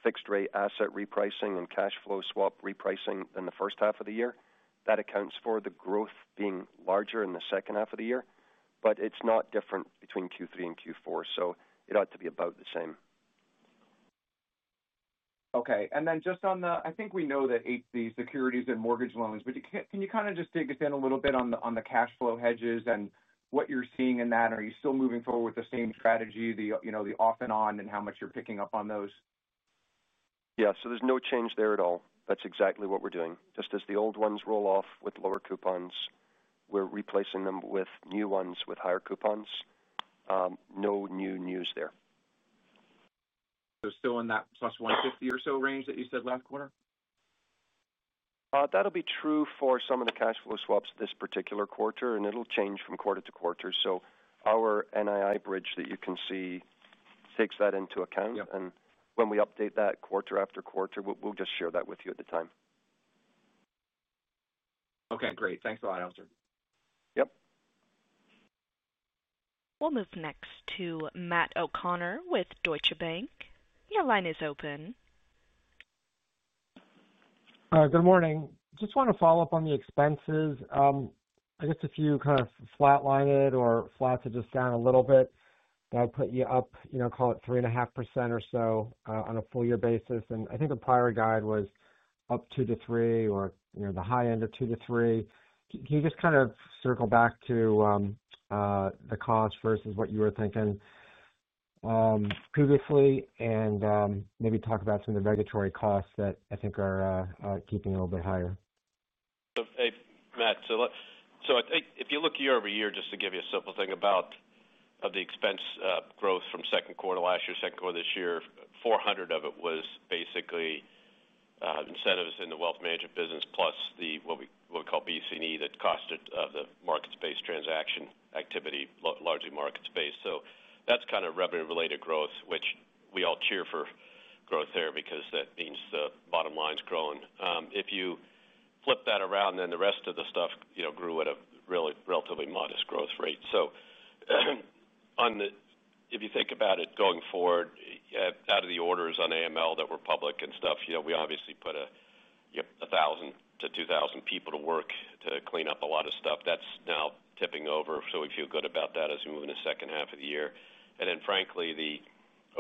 fixed-rate asset repricing and cash flow swap repricing than the first half of the year. That accounts for the growth being larger in the second half of the year, but it's not different between Q3 and Q4. It ought to be about the same. Okay. I think we know that the securities and mortgage loans, but can you kind of just dig us in a little bit on the cash flow hedges and what you're seeing in that? Are you still moving forward with the same strategy, the off and on, and how much you're picking up on those? Yeah. There's no change there at all. That's exactly what we're doing. Just as the old ones roll off with lower coupons, we're replacing them with new ones with higher coupons. No new news there. Still in that plus 150 or so range that you said last quarter? That'll be true for some of the cash flow swaps this particular quarter, and it'll change from quarter to quarter. Our NII bridge that you can see takes that into account. When we update that quarter after quarter, we'll just share that with you at the time. Okay. Great. Thanks a lot, Alastair. Yep. We'll move next to Matt O'Connor with Deutsche Bank. Your line is open. Good morning. Just want to follow up on the expenses. I guess if you kind of flatline it or flatten it just down a little bit, that'll put you up, call it 3.5% or so on a full-year basis. And I think the prior guide was up 2-3% or the high end of 2-3%. Can you just kind of circle back to the cost versus what you were thinking previously and maybe talk about some of the regulatory costs that I think are keeping it a little bit higher? Hey, Matt. If you look year over year, just to give you a simple thing about the expense growth from second quarter last year, second quarter this year, $400 million of it was basically incentives in the wealth management business plus what we call BC&E, the cost of the market-based transaction activity, largely market-based. That is kind of revenue-related growth, which we all cheer for growth there because that means the bottom line's grown. If you flip that around, then the rest of the stuff grew at a relatively modest growth rate. If you think about it going forward, out of the orders on AML that were public and stuff, we obviously put 1,000-2,000 people to work to clean up a lot of stuff. That is now tipping over, so we feel good about that as we move into the second half of the year. Frankly, the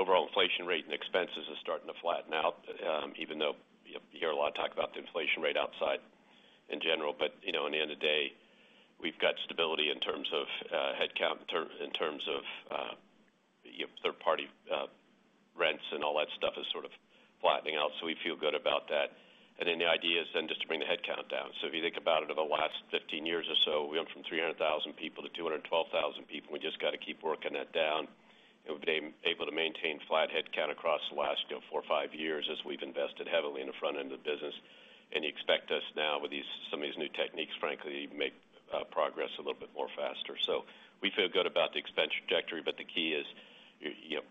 overall inflation rate and expenses are starting to flatten out, even though you hear a lot of talk about the inflation rate outside in general. In the end of the day, we've got stability in terms of headcount, in terms of third-party rents, and all that stuff is sort of flattening out. We feel good about that. The idea is then just to bring the headcount down. If you think about it, over the last 15 years or so, we went from 300,000 people to 212,000 people. We just got to keep working that down. We've been able to maintain flat headcount across the last four or five years as we've invested heavily in the front end of the business. You expect us now, with some of these new techniques, frankly, to make progress a little bit more faster. We feel good about the expense trajectory, but the key is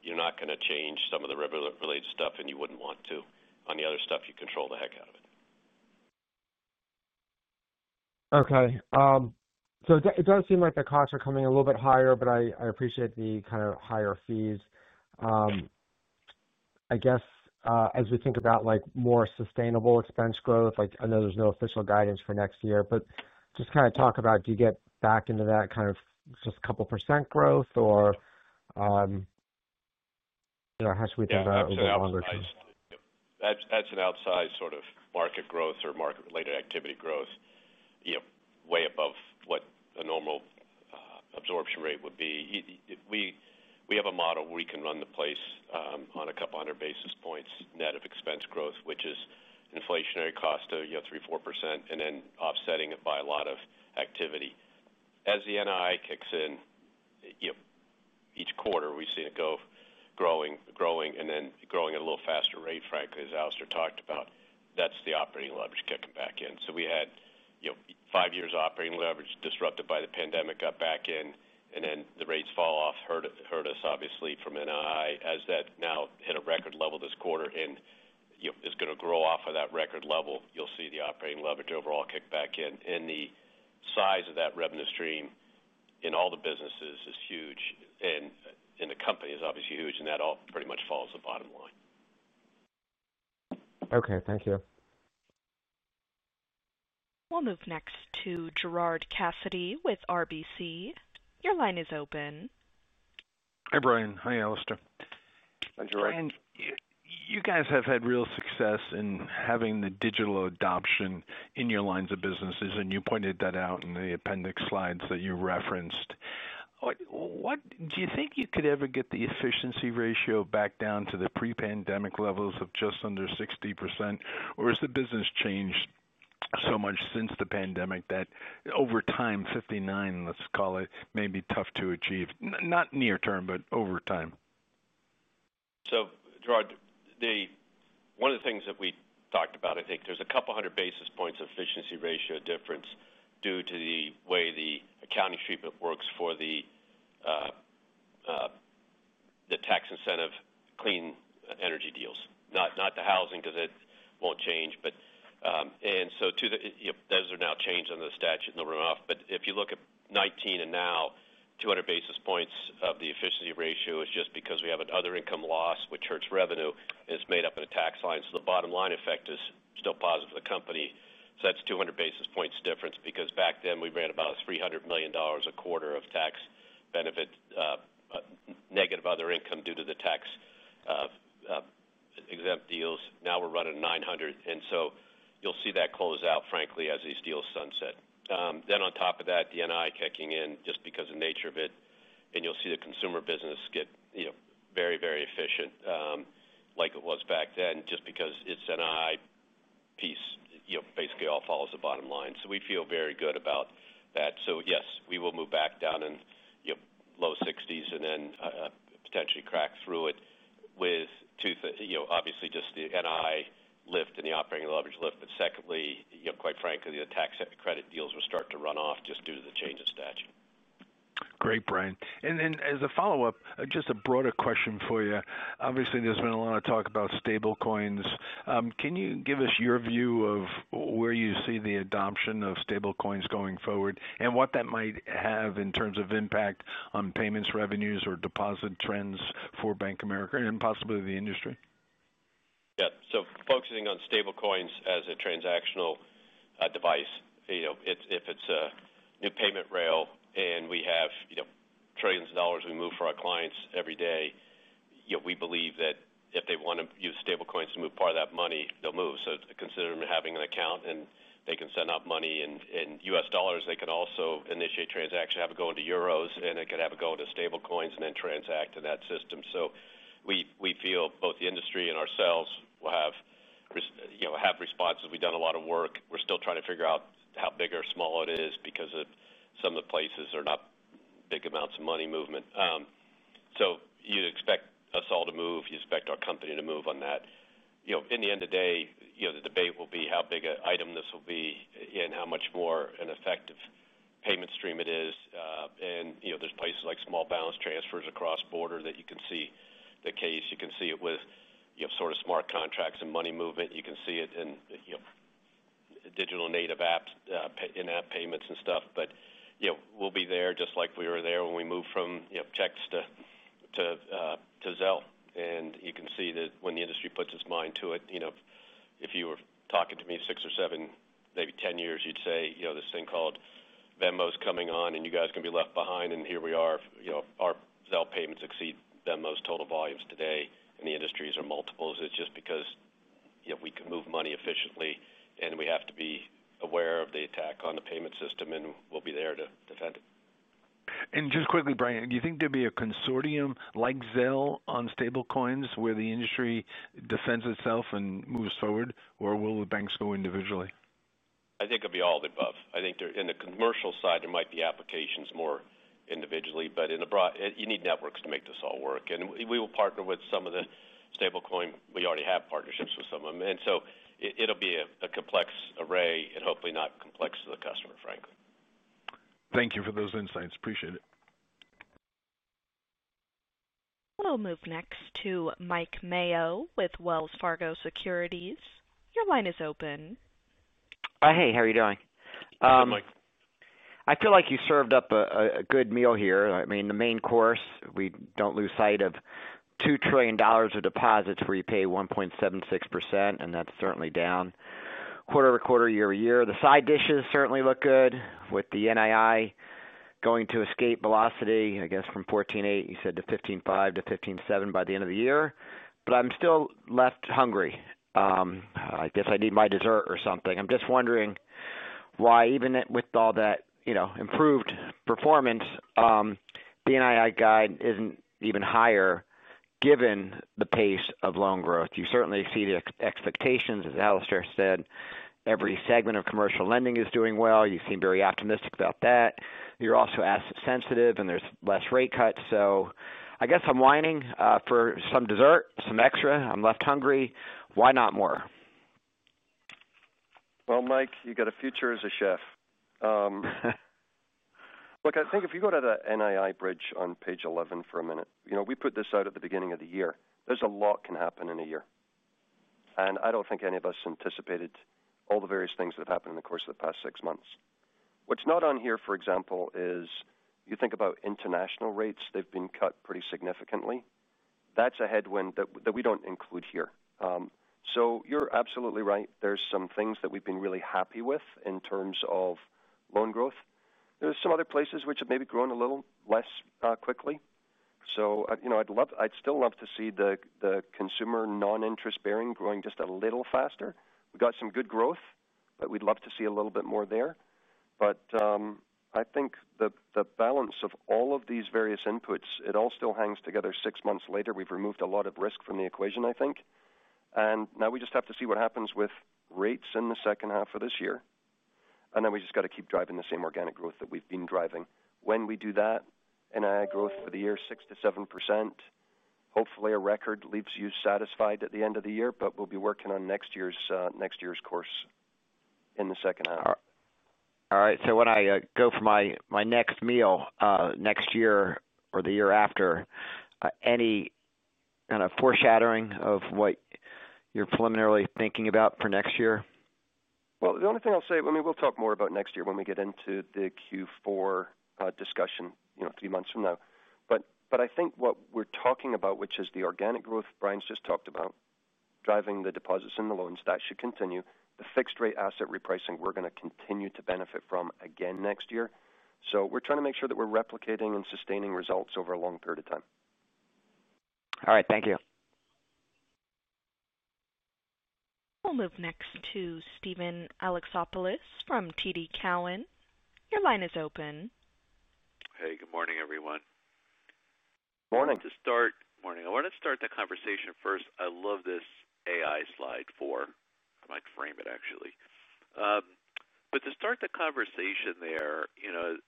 you're not going to change some of the regulatory-related stuff, and you wouldn't want to. On the other stuff, you control the heck out of it. Okay. It does seem like the costs are coming a little bit higher, but I appreciate the kind of higher fees. I guess as we think about more sustainable expense growth, I know there's no official guidance for next year, but just kind of talk about, do you get back into that kind of just a couple percent growth, or how should we think about it over the longer term? That's an outside sort of market growth or market-related activity growth way above what a normal absorption rate would be. We have a model where we can run the place on a couple hundred basis points net of expense growth, which is inflationary cost of 3-4%, and then offsetting it by a lot of activity. As the NII kicks in each quarter, we've seen it go growing and then growing at a little faster rate, frankly, as Alastair talked about. That's the operating leverage kicking back in. We had five years of operating leverage disrupted by the pandemic, got back in, and then the rates fall off, hurt us, obviously, from NII as that now hit a record level this quarter and is going to grow off of that record level. You'll see the operating leverage overall kick back in. The size of that revenue stream in all the businesses is huge, and in the companies, obviously, huge, and that all pretty much follows the bottom line. Okay. Thank you. We'll move next to Gerard Cassidy with RBC. Your line is open. Hi, Brian. Hi, Alastair. Hi, Gerard. You guys have had real success in having the digital adoption in your lines of business, and you pointed that out in the appendix slides that you referenced. Do you think you could ever get the efficiency ratio back down to the pre-pandemic levels of just under 60%, or has the business changed so much since the pandemic that over time, 59%, let's call it, may be tough to achieve? Not near term, but over time. Gerard, one of the things that we talked about, I think there's a couple hundred basis points of efficiency ratio difference due to the way the accounting treatment works for the tax incentive clean energy deals. Not the housing because it won't change, but. Those are now changed under the statute and the runoff. If you look at 2019 and now, 200 basis points of the efficiency ratio is just because we have an other income loss, which hurts revenue, and it's made up in a tax line. The bottom line effect is still positive for the company. That's 200 basis points difference because back then we ran about $300 million a quarter of tax benefit negative other income due to the tax-exempt deals. Now we're running $900 million. You'll see that close out, frankly, as these deals sunset. On top of that, the NII kicking in just because of the nature of it, and you'll see the consumer business get very, very efficient like it was back then just because it's an NII piece. Basically, it all follows the bottom line. We feel very good about that. Yes, we will move back down in low 60s and then potentially crack through it with, obviously, just the NII lift and the operating leverage lift. Quite frankly, the tax credit deals will start to run off just due to the change of statute. Great, Brian. As a follow-up, just a broader question for you. Obviously, there's been a lot of talk about stablecoins. Can you give us your view of where you see the adoption of stablecoins going forward and what that might have in terms of impact on payments revenues or deposit trends for Bank of America and possibly the industry? Yeah. Focusing on stablecoins as a transactional device, if it's a new payment rail and we have trillions of dollars we move for our clients every day, we believe that if they want to use stablecoins to move part of that money, they'll move. Consider them having an account, and they can send out money in U.S. dollars. They can also initiate transactions, have it go into euros, and it can have it go into stablecoins and then transact in that system. We feel both the industry and ourselves will have responses. We've done a lot of work. We're still trying to figure out how big or small it is because some of the places are not big amounts of money movement. You'd expect us all to move. You expect our company to move on that. In the end of the day, the debate will be how big an item this will be and how much more an effective payment stream it is. There's places like small balance transfers across borders that you can see the case. You can see it with sort of smart contracts and money movement. You can see it in digital native apps, in-app payments and stuff. We'll be there just like we were there when we moved from checks to Zelle. You can see that when the industry puts its mind to it, if you were talking to me six or seven, maybe ten years, you'd say this thing called Venmo's coming on, and you guys are going to be left behind. Here we are. Our Zelle payments exceed Venmo's total volumes today, and the industry's are multiples. It is just because we can move money efficiently, and we have to be aware of the attack on the payment system, and we'll be there to defend it. Just quickly, Brian, do you think there'd be a consortium like Zelle on stablecoins where the industry defends itself and moves forward, or will the banks go individually? I think it'll be all of the above. I think in the commercial side, there might be applications more individually, but you need networks to make this all work. We will partner with some of the stablecoin. We already have partnerships with some of them. It will be a complex array and hopefully not complex to the customer, frankly. Thank you for those insights. Appreciate it. We'll move next to Mike Mayo with Wells Fargo Securities. Your line is open. Hey, how are you doing? Hi, Mike. I feel like you served up a good meal here. I mean, the main course, we do not lose sight of $2 trillion of deposits where you pay 1.76%, and that is certainly down quarter over quarter, year over year. The side dishes certainly look good with the NII going to escape velocity, I guess, from $14.8 billion, you said, to $15.5 billion-$15.7 billion by the end of the year. I am still left hungry. I guess I need my dessert or something. I'm just wondering why, even with all that improved performance, the NII guide isn't even higher given the pace of loan growth. You certainly exceed the expectations, as Alastair said. Every segment of commercial lending is doing well. You seem very optimistic about that. You're also asset-sensitive, and there's less rate cuts. I guess I'm whining for some dessert, some extra. I'm left hungry. Why not more? Mike, you got a future as a chef. Look, I think if you go to the NII bridge on page 11 for a minute, we put this out at the beginning of the year. There's a lot that can happen in a year. I don't think any of us anticipated all the various things that have happened in the course of the past six months. What's not on here, for example, is you think about international rates. They've been cut pretty significantly. That's a headwind that we don't include here. You're absolutely right. There's some things that we've been really happy with in terms of loan growth. There's some other places which have maybe grown a little less quickly. I'd still love to see the consumer non-interest bearing growing just a little faster. We've got some good growth, but we'd love to see a little bit more there. I think the balance of all of these various inputs, it all still hangs together six months later. We've removed a lot of risk from the equation, I think. Now we just have to see what happens with rates in the second half of this year. We just got to keep driving the same organic growth that we've been driving. When we do that, NII growth for the year, 6-7%, hopefully a record, leaves you satisfied at the end of the year, but we'll be working on next year's course in the second half. All right. When I go for my next meal next year or the year after, any kind of foreshadowing of what you're preliminarily thinking about for next year? The only thing I'll say, I mean, we'll talk more about next year when we get into the Q4 discussion three months from now. I think what we're talking about, which is the organic growth Brian's just talked about, driving the deposits and the loans, that should continue. The fixed-rate asset repricing, we're going to continue to benefit from again next year. We're trying to make sure that we're replicating and sustaining results over a long period of time. All right. Thank you. We'll move next to Steven Alexopoulos from TD Cowen. Your line is open. Hey, good morning, everyone. Morning. To start, morning. I want to start the conversation first. I love this AI slide for, I might frame it, actually. To start the conversation there,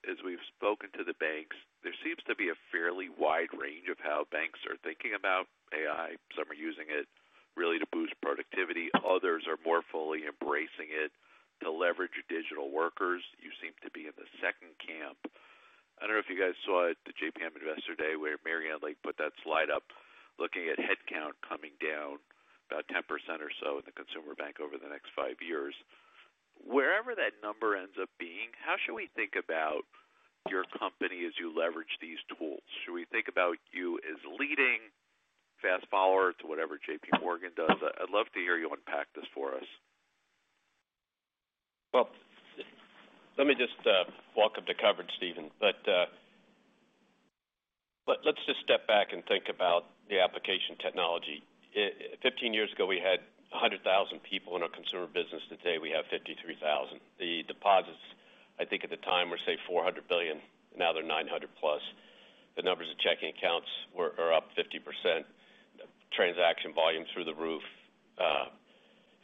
as we've spoken to the banks, there seems to be a fairly wide range of how banks are thinking about AI. Some are using it really to boost productivity. Others are more fully embracing it to leverage digital workers. You seem to be in the second camp. I do not know if you guys saw it at the JPM Investor Day where Marianne Lake put that slide up looking at headcount coming down about 10% or so in the consumer bank over the next five years. Wherever that number ends up being, how should we think about your company as you leverage these tools? Should we think about you as leading, fast follower to whatever JPMorgan does? I'd love to hear you unpack this for us. Let me just walk up to coverage, Steven. Let's just step back and think about the application technology. Fifteen years ago, we had 100,000 people in our consumer business. Today, we have 53,000. The deposits, I think at the time, were say $400 billion. Now they're $900 billion plus. The numbers of checking accounts are up 50%. Transaction volume through the roof,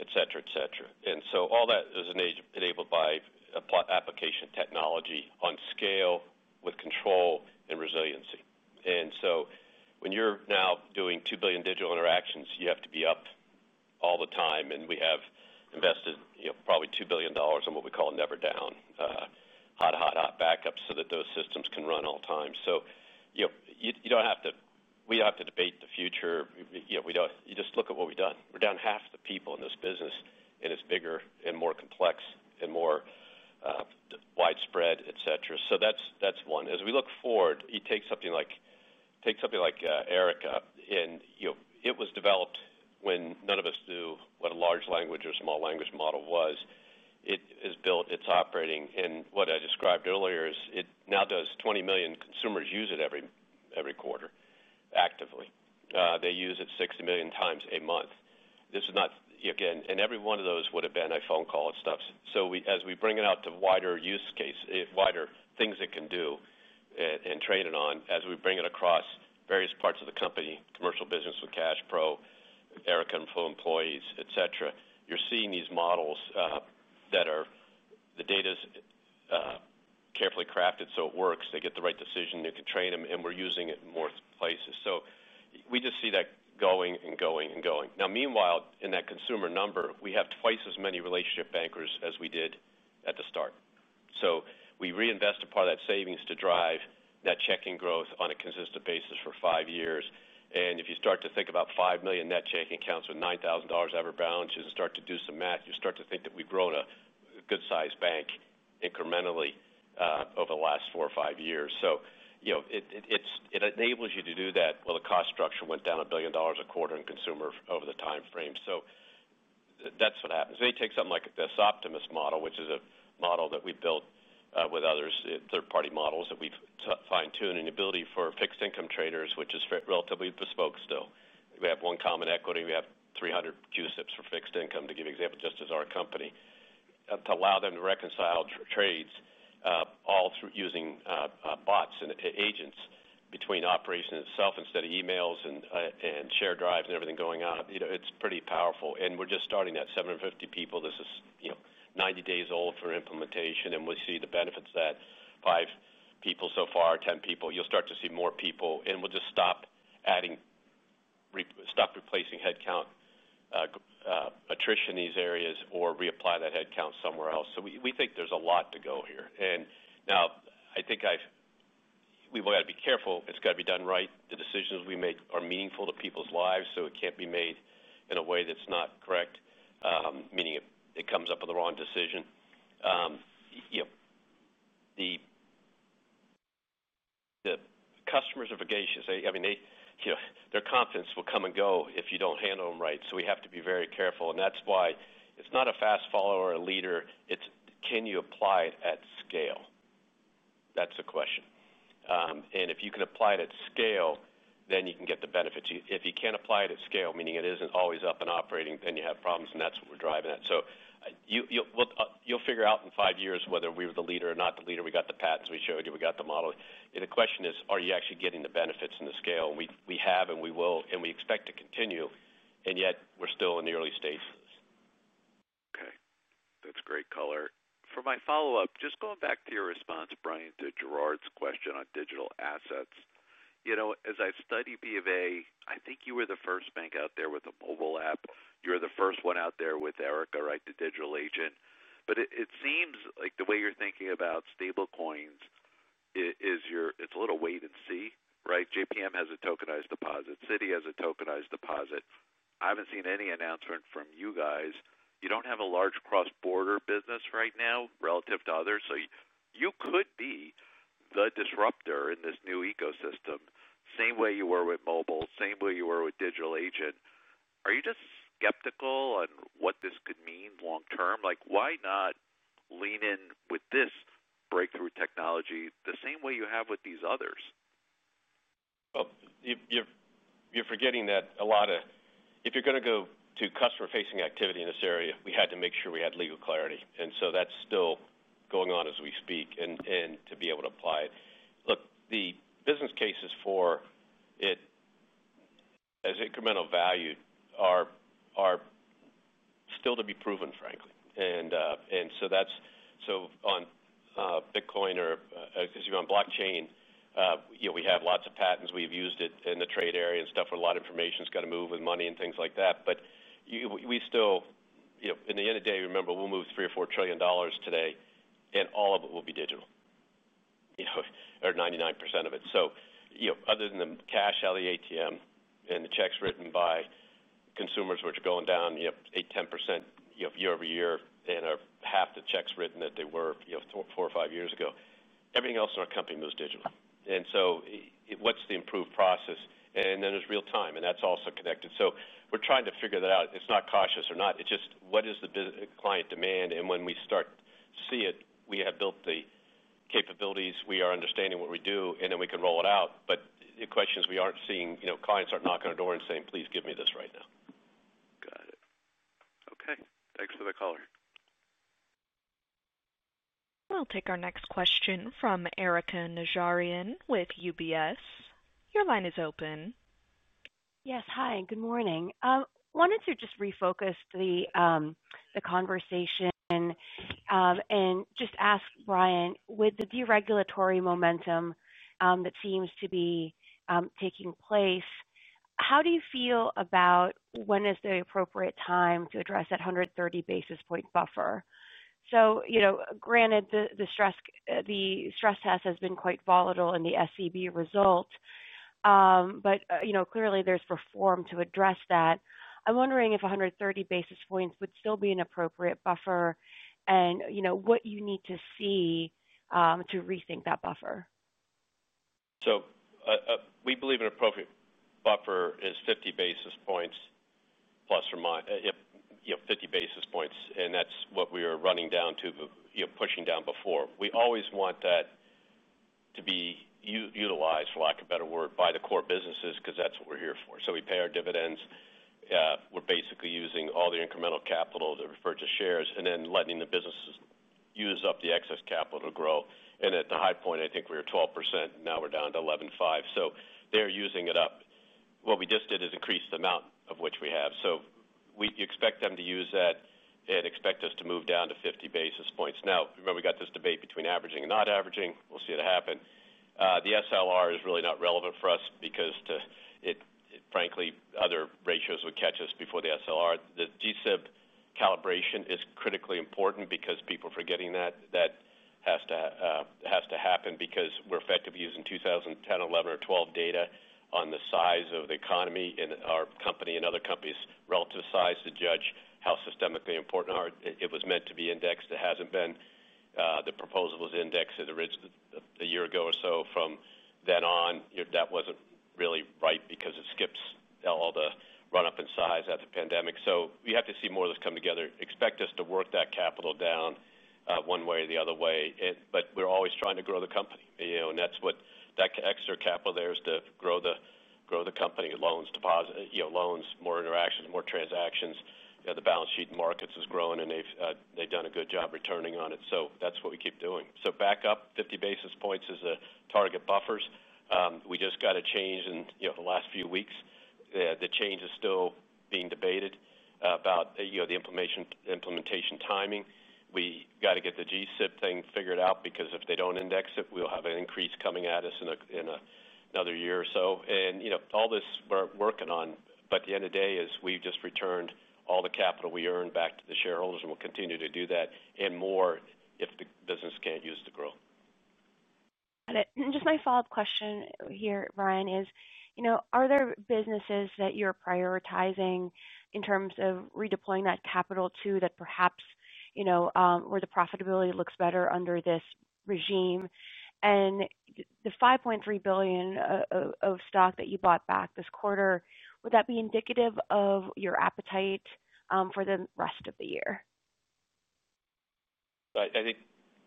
etc., etc. All that is enabled by application technology on scale with control and resiliency. When you're now doing 2 billion digital interactions, you have to be up all the time. We have invested probably $2 billion on what we call never-down, hot-hot-hot backups so that those systems can run all the time. You do not have to, we do not have to debate the future. You just look at what we have done. We are down half the people in this business, and it is bigger and more complex and more widespread, etc. That is one. As we look forward, you take something like Erica, and it was developed when none of us knew what a large language or small language model was. It is built. It is operating. What I described earlier is it now does 20 million consumers use it every quarter actively. They use it 60 million times a month. This is not, again, and every one of those would have been a phone call and stuff. As we bring it out to wider use case, wider things it can do and train it on, as we bring it across various parts of the company, commercial business with CashPro, Erica and employees, etc., you're seeing these models that are the data's carefully crafted so it works. They get the right decision. You can train them, and we're using it in more places. We just see that going and going and going. Now, meanwhile, in that consumer number, we have twice as many relationship bankers as we did at the start. We reinvest a part of that savings to drive net checking growth on a consistent basis for five years. If you start to think about 5 million net checking accounts with $9,000 average balance and start to do some math, you start to think that we've grown a good-sized bank incrementally over the last four or five years. It enables you to do that while the cost structure went down $1 billion a quarter in consumer over the time frame. That's what happens. They take something like this Optimus model, which is a model that we built with others, third-party models that we've fine-tuned, and the ability for fixed-income traders, which is relatively bespoke still. We have one common equity. We have 300 QSIPs for fixed income, to give you an example, just as our company, to allow them to reconcile trades all using bots and agents between operations itself instead of emails and share drives and everything going on. It's pretty powerful. We're just starting that 750 people. This is 90 days old for implementation. We see the benefits of that. Five people so far, 10 people. You'll start to see more people. We'll just stop adding, stop replacing headcount attrition in these areas or reapply that headcount somewhere else. We think there's a lot to go here. Now, I think we've got to be careful. It's got to be done right. The decisions we make are meaningful to people's lives, so it can't be made in a way that's not correct, meaning it comes up with the wrong decision. The customers are vagacious. I mean, their confidence will come and go if you don't handle them right. We have to be very careful. That's why it's not a fast follower or a leader. It's, can you apply it at scale? That's the question. If you can apply it at scale, then you can get the benefits. If you cannot apply it at scale, meaning it i s not always up and operating, then you have problems. That is what we are driving at. You will figure out in five years whether we were the leader or not the leader. We got the patents we showed you. We got the model. The question is, are you actually getting the benefits and the scale? We have, and we will, and we expect to continue. Yet, we are still in the early stages. Okay. That is great color. For my follow-up, just going back to your response, Brian, to Gerard's question on digital assets. As I study Bank of America, I think you were the first bank out there with a mobile app. You are the first one out there with Erica, right, the digital agent. It seems like the way you're thinking about stablecoins is you're it's a little wait and see, right? JPMorgan has a tokenized deposit. Citi has a tokenized deposit. I haven't seen any announcement from you guys. You don't have a large cross-border business right now relative to others. You could be the disruptor in this new ecosystem, same way you were with mobile, same way you were with digital agent. Are you just skeptical on what this could mean long-term? Why not lean in with this breakthrough technology the same way you have with these others? You're forgetting that a lot of if you're going to go to customer-facing activity in this area, we had to make sure we had legal clarity. That's still going on as we speak and to be able to apply it. Look, the business cases for it as incremental value are still to be proven, frankly. And so that's so on Bitcoin or as you on blockchain, we have lots of patents. We've used it in the trade area and stuff where a lot of information's got to move with money and things like that. But we still, in the end of the day, remember, we'll move $3 trillion-$4 trillion today, and all of it will be digital or 99% of it. Other than the cash out of the ATM and the checks written by consumers, which are going down 8%-10% year over year and are half the checks written that they were four or five years ago, everything else in our company moves digital. What's the improved process? Then there's real time, and that's also connected. We're trying to figure that out. It's not cautious or not. It's just what is the client demand? When we start to see it, we have built the capabilities. We are understanding what we do, and then we can roll it out. The question is, we aren't seeing clients start knocking on our door and saying, "Please give me this right now." Got it. Okay. Thanks for the color. We'll take our next question from Erika Najarian with UBS. Your line is open. Yes. Hi. Good morning. Wanted to just refocus the conversation and just ask Brian, with the deregulatory momentum that seems to be taking place, how do you feel about when is the appropriate time to address that 130 basis point buffer? Granted, the stress test has been quite volatile in the SEB result, but clearly there's reform to address that. I'm wondering if 130 basis points would still be an appropriate buffer and what you need to see to rethink that buffer. We believe an appropriate buffer is 50 basis points plus or minus 50 basis points. That's what we are running down to, pushing down before. We always want that to be utilized, for lack of a better word, by the core businesses because that's what we're here for. We pay our dividends. We're basically using all the incremental capital to refer to shares and then letting the businesses use up the excess capital to grow. At the high point, I think we were 12%. Now we're down to 11.5%. They're using it up. What we just did is increase the amount of which we have. You expect them to use that and expect us to move down to 50 basis points. Now, remember, we got this debate between averaging and not averaging. We'll see it happen. The SLR is really not relevant for us because, frankly, other ratios would catch us before the SLR. The G-SIB calibration is critically important because people are forgetting that. That has to happen because we're effectively using 2010, 2011, or 2012 data on the size of the economy and our company and other companies' relative size to judge how systemically important it was meant to be indexed. It hasn't been. The proposal was indexed a year ago or so. From then on, that wasn't really right because it skips all the run-up in size after the pandemic. We have to see more of this come together. Expect us to work that capital down one way or the other way. We're always trying to grow the company. That extra capital there is to grow the company, loans, deposits, loans, more interactions, more transactions. The balance sheet markets have grown, and they've done a good job returning on it. That's what we keep doing. Back up, 50 basis points is a target buffers. We just got a change in the last few weeks. The change is still being debated about the implementation timing. We got to get the G-SIB thing figured out because if they do not index it, we'll have an increase coming at us in another year or so. All this we're working on. At the end of the day, we've just returned all the capital we earned back to the shareholders, and we'll continue to do that and more if the business can't use the growth. Got it. Just my follow-up question here, Brian, is are there businesses that you're prioritizing in terms of redeploying that capital to that perhaps where the profitability looks better under this regime? The $5.3 billion of stock that you bought back this quarter, would that be indicative of your appetite for the rest of the year? I think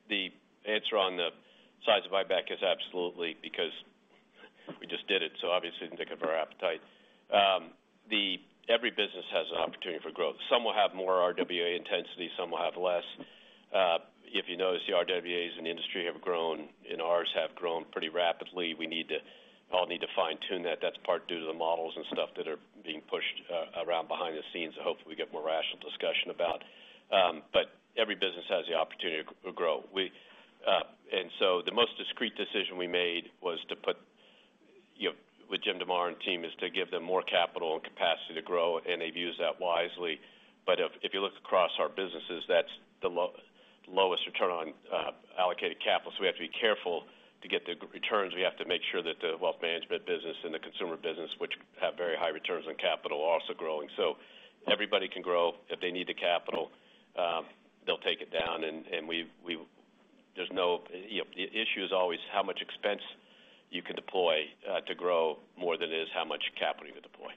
the answer on the size of buyback is absolutely because we just did it. Obviously, it is indicative of our appetite. Every business has an opportunity for growth. Some will have more RWA intensity. Some will have less. If you notice, the RWAs in the industry have grown, and ours have grown pretty rapidly. We all need to fine-tune that. That is part due to the models and stuff that are being pushed around behind the scenes that hopefully we get more rational discussion about. Every business has the opportunity to grow. The most discreet decision we made was to put, Jim DeMare and team, is to give them more capital and capacity to grow, and they've used that wisely. If you look across our businesses, that's the lowest return on allocated capital. We have to be careful to get the returns. We have to make sure that the wealth management business and the consumer business, which have very high returns on capital, are also growing. Everybody can grow. If they need the capital, they'll take it down. There's no issue. It is always how much expense you can deploy to grow more than it is how much capital you can deploy.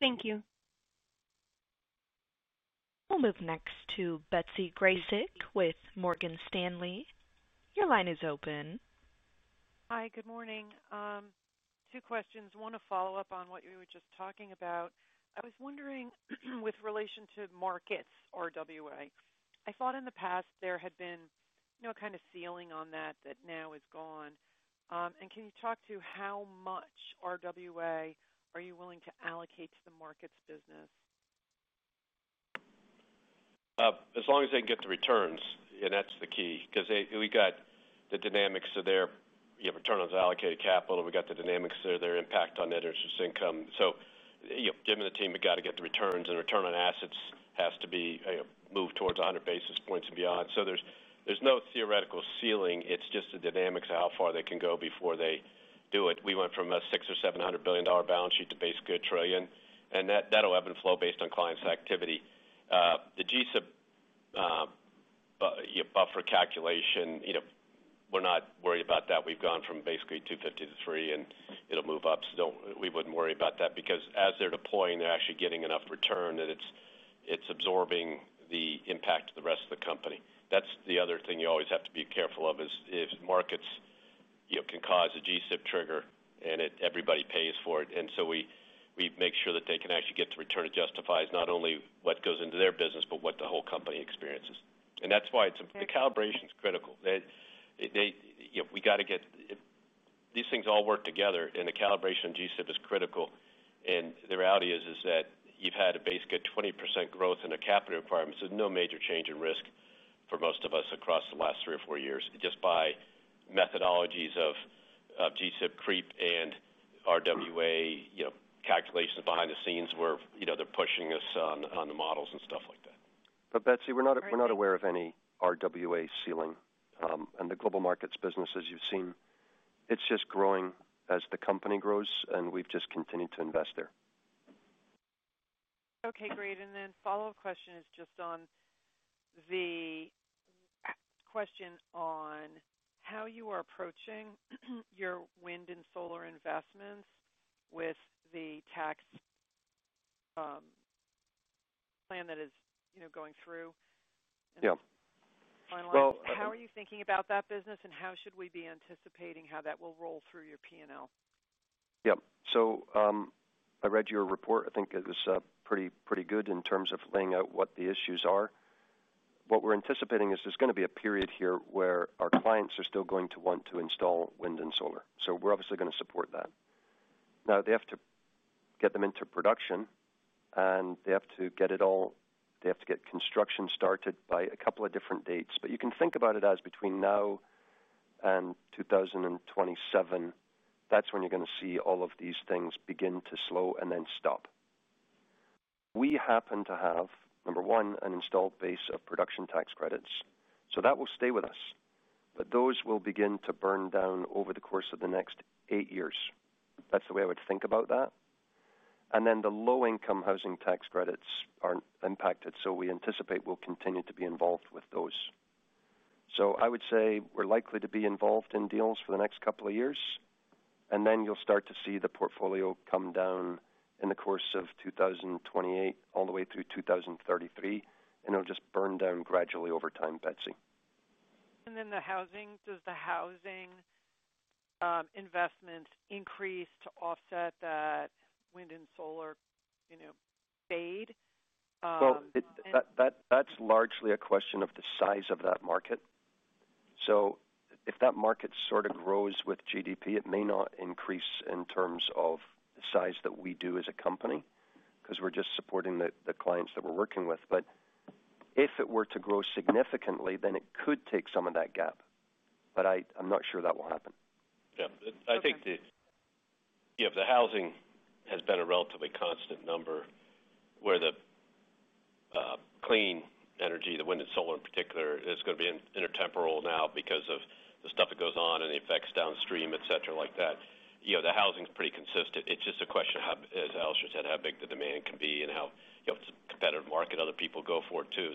Thank you. We'll move next to Betsy Graseck with Morgan Stanley. Your line is open. Hi. Good morning. Two questions. One to follow up on what you were just talking about. I was wondering, with relation to markets RWA, I thought in the past there had been a kind of ceiling on that that now is gone. Can you talk to how much RWA are you willing to allocate to the markets business? As long as they can get the returns, and that's the key because we got the dynamics of their return on allocated capital. We got the dynamics of their impact on net interest income. Jim and the team, we got to get the returns, and return on assets has to be moved towards 100 basis points and beyond. There is no theoretical ceiling. It is just the dynamics of how far they can go before they do it. We went from a $600 billion-$700 billion balance sheet to basically a trillion. That will ebb and flow based on clients' activity. The G-SIB buffer calculation, we're not worried about that. We've gone from basically 250 to 3, and it'll move up. We wouldn't worry about that because as they're deploying, they're actually getting enough return that it's absorbing the impact of the rest of the company. That's the other thing you always have to be careful of is if markets can cause a G-SIB trigger and everybody pays for it. We make sure that they can actually get the return that justifies not only what goes into their business, but what the whole company experiences. That's why the calibration is critical. We got to get these things all work together. The calibration of G-SIB is critical. The reality is that you've had a base good 20% growth in the capital requirements. There's no major change in risk for most of us across the last three or four years just by methodologies of G-SIB creep and RWA calculations behind the scenes where they're pushing us on the models and stuff like that. Betsy, we're not aware of any RWA ceiling. The global markets business, as you've seen, it's just growing as the company grows, and we've just continued to invest there. Okay. Great. The follow-up question is just on the question on how you are approaching your wind and solar investments with the tax plan that is going through. How are you thinking about that business, and how should we be anticipating how that will roll through your P&L? Yep. I read your report. I think it was pretty good in terms of laying out what the issues are. What we're anticipating is there's going to be a period here where our clients are still going to want to install wind and solar. We are obviously going to support that. They have to get them into production, and they have to get construction started by a couple of different dates. You can think about it as between now and 2027. That is when you are going to see all of these things begin to slow and then stop. We happen to have, number one, an installed base of production tax credits. That will stay with us. Those will begin to burn down over the course of the next eight years. That is the way I would think about that. The low-income housing tax credits are impacted. We anticipate we will continue to be involved with those. I would say we're likely to be involved in deals for the next couple of years. You'll start to see the portfolio come down in the course of 2028 all the way through 2033. It'll just burn down gradually over time, Betsy. Does the housing investment increase to offset that wind and solar fade? That's largely a question of the size of that market. If that market sort of grows with GDP, it may not increase in terms of the size that we do as a company because we're just supporting the clients that we're working with. If it were to grow significantly, then it could take some of that gap. I'm not sure that will happen. Yeah. I think the housing has been a relatively constant number where the clean energy, the wind and solar in particular, is going to be intertemporal now because of the stuff that goes on and the effects downstream, etc., like that. The housing is pretty consistent. It's just a question, as Alastair said, how big the demand can be and how competitive market other people go for it too.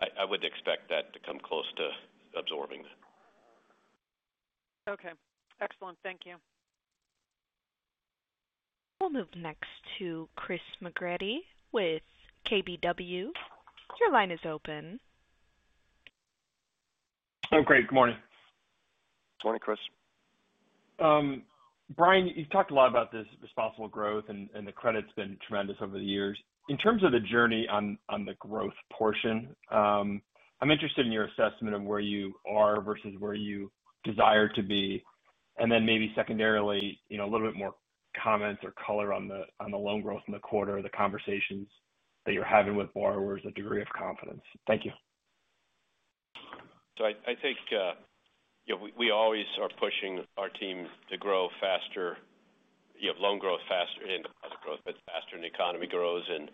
I wouldn't expect that to come close to absorbing that. Okay. Excellent. Thank you. We'll move next to Chris McGratty with KBW. Your line is open. I'm great. Good morning. Morning, Chris. Brian, you've talked a lot about this responsible growth, and the credit's been tremendous over the years. In terms of the journey on the growth portion, I'm interested in your assessment of where you are versus where you desire to be. Maybe secondarily, a little bit more comments or color on the loan growth in the quarter, the conversations that you're having with borrowers, the degree of confidence? Thank you. I think we always are pushing our team to grow faster, loan growth faster and deposit growth, but faster and the economy grows and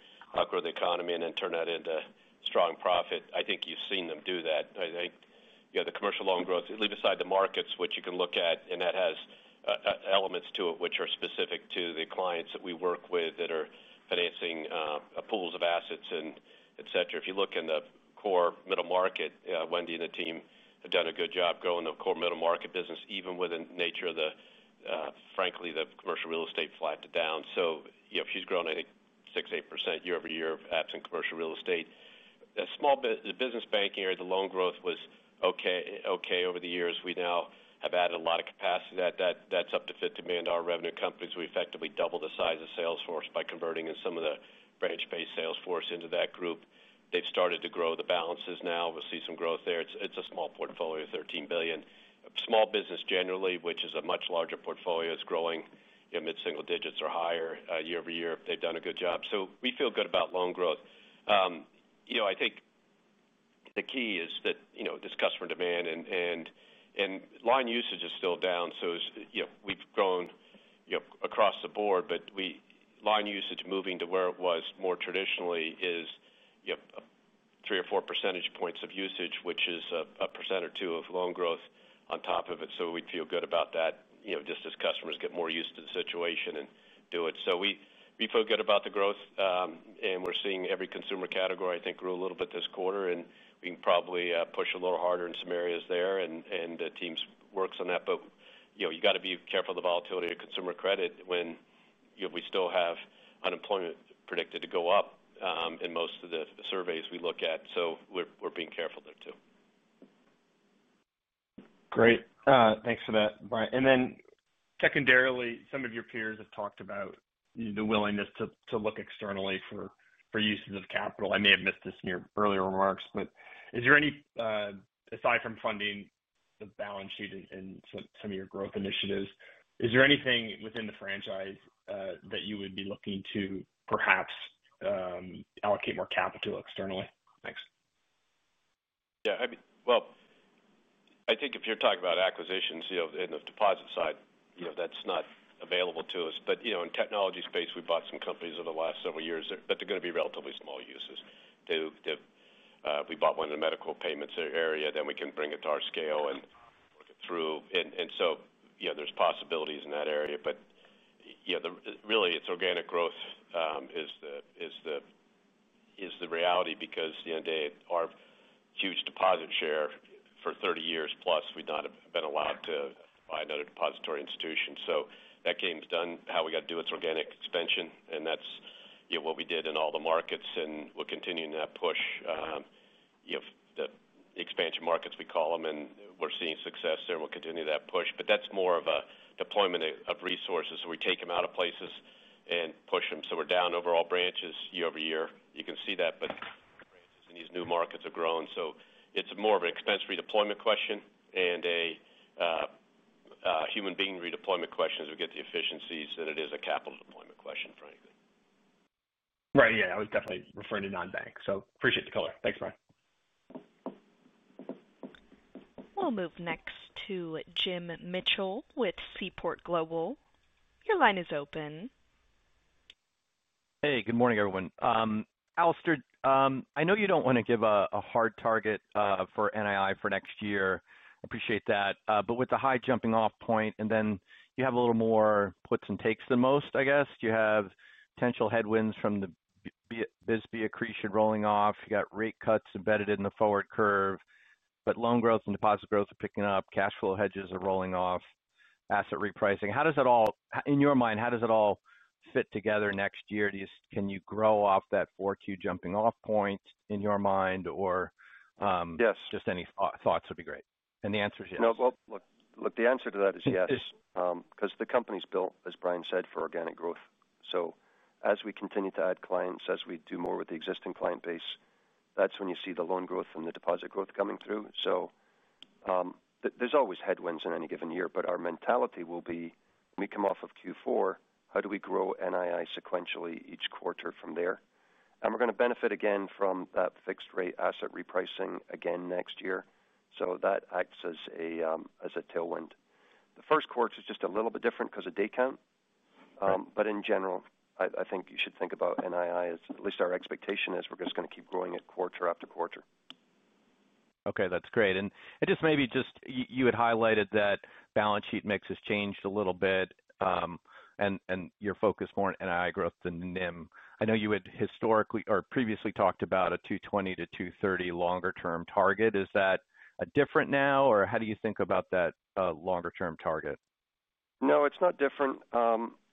grow the economy and then turn that into strong profit. I think you've seen them do that. I think the commercial loan growth, leave aside the markets, which you can look at, and that has elements to it which are specific to the clients that we work with that are financing pools of assets, etc. If you look in the core middle market, Wendy and the team have done a good job growing the core middle market business, even with the nature of, frankly, the commercial real estate flat to down. She's grown, I think, 6%-8% year over year absent commercial real estate. The business banking area, the loan growth was okay over the years. We now have added a lot of capacity. That's up to $50 million revenue companies. We effectively doubled the size of Salesforce by converting in some of the branch-based Salesforce into that group. They've started to grow the balances now. We'll see some growth there. It's a small portfolio of $13 billion. Small business generally, which is a much larger portfolio, is growing mid-single digits or higher year over year. They've done a good job. We feel good about loan growth. I think the key is that this customer demand and line usage is still down. We've grown across the board, but line usage moving to where it was more traditionally is three or four percentage points of usage, which is a percent or two of loan growth on top of it. We feel good about that just as customers get more used to the situation and do it. We feel good about the growth. We're seeing every consumer category, I think, grow a little bit this quarter. We can probably push a little harder in some areas there. The team works on that. You got to be careful of the volatility of consumer credit when we still have unemployment predicted to go up in most of the surveys we look at. We're being careful there too. Great. Thanks for that, Brian. Then secondarily, some of your peers have talked about the willingness to look externally for uses of capital. I may have missed this in your earlier remarks, but is there any, aside from funding the balance sheet and some of your growth initiatives, is there anything within the franchise that you would be looking to perhaps allocate more capital externally? Thanks. Yeah. If you're talking about acquisitions in the deposit side, that's not available to us. In technology space, we bought some companies over the last several years that are going to be relatively small uses. We bought one in the medical payments area. Then we can bring it to our scale and work it through. There are possibilities in that area. Really, it's organic growth is the reality because at the end of the day, our huge deposit share for 30 years plus, we've not been allowed to buy another depository institution. That game's done. How we got to do it is organic expansion. That's what we did in all the markets. We're continuing that push, the expansion markets we call them. We're seeing success there. We'll continue that push. That's more of a deployment of resources. We take them out of places and push them. We're down overall branches year over year. You can see that. Branches in these new markets have grown. It's more of an expense redeployment question and a human being redeployment question as we get the efficiencies than it is a capital deployment question, frankly. Right. Yeah. I was definitely referring to non-bank. Appreciate the color. Thanks, Brian. We'll move next to Jim Mitchell with Seaport Global. Your line is open. Hey. Good morning, everyone. Alastair, I know you don't want to give a hard target for NII for next year. I appreciate that. With the high jumping-off point, and then you have a little more puts and takes than most, I guess. You have potential headwinds from the Bisbee accretion rolling off. You got rate cuts embedded in the forward curve. Loan growth and deposit growth are picking up. Cash flow hedges are rolling off. Asset repricing. In your mind, how does it all fit together next year? Can you grow off that forward jumping-off point in your mind, or just any thoughts would be great? The answer is yes. Nope. Look, the answer to that is yes because the company's built, as Brian said, for organic growth. As we continue to add clients, as we do more with the existing client base, that's when you see the loan growth and the deposit growth coming through. There's always headwinds in any given year. Our mentality will be, when we come off of Q4, how do we grow NII sequentially each quarter from there? We're going to benefit again from that fixed-rate asset repricing again next year. That acts as a tailwind. The first quarter is just a little bit different because of day count. In general, I think you should think about NII as, at least our expectation is we're just going to keep growing it quarter after quarter. Okay. That's great. Maybe just you had highlighted that balance sheet mix has changed a little bit and your focus more on NII growth than NIM. I know you had historically or previously talked about a 220-230 longer-term target. Is that different now, or how do you think about that longer-term target? No, it's not different.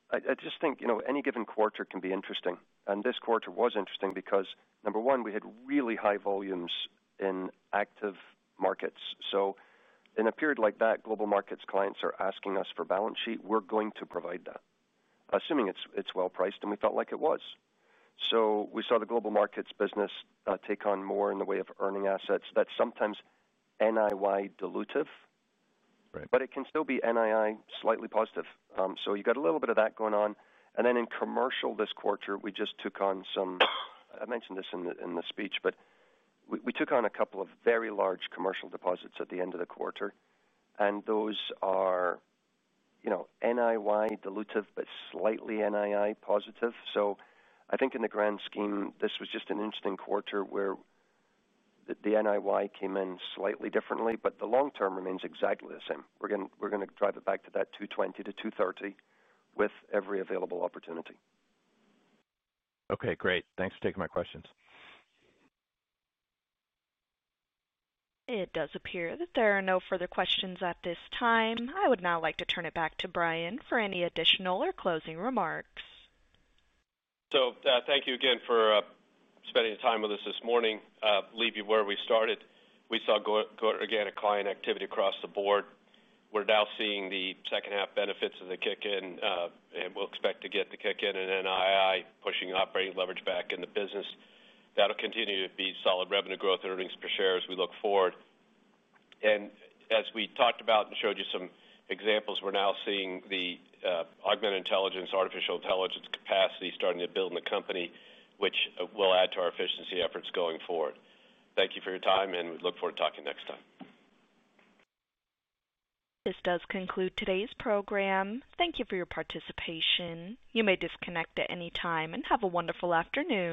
I just think any given quarter can be interesting. This quarter was interesting because, number one, we had really high volumes in active markets. In a period like that, global markets clients are asking us for balance sheet. We're going to provide that, assuming it's well-priced, and we felt like it was. We saw the global markets business take on more in the way of earning assets. That's sometimes NII dilutive, but it can still be NII slightly positive. You got a little bit of that going on. In commercial this quarter, we just took on some—I mentioned this in the speech—but we took on a couple of very large commercial deposits at the end of the quarter. Those are NII dilutive but slightly NII positive. I think in the grand scheme, this was just an interesting quarter where the NII came in slightly differently, but the long term remains exactly the same. We're going to drive it back to that $220-$230 with every available opportunity. Great. Thanks for taking my questions. It does appear that there are no further questions at this time. I would now like to turn it back to Brian for any additional or closing remarks. Thank you again for spending the time with us this morning. Leave you where we started. We saw organic client activity across the board. We're now seeing the second-half benefits of the kick-in, and we'll expect to get the kick-in in NII pushing operating leverage back in the business. That'll continue to be solid revenue growth and earnings per share as we look forward. As we talked about and showed you some examples, we're now seeing the augmented intelligence, artificial intelligence capacity starting to build in the company, which will add to our efficiency efforts going forward. Thank you for your time, and we look forward to talking next time. This does conclude today's program. Thank you for your participation. You may disconnect at any time and have a wonderful afternoon.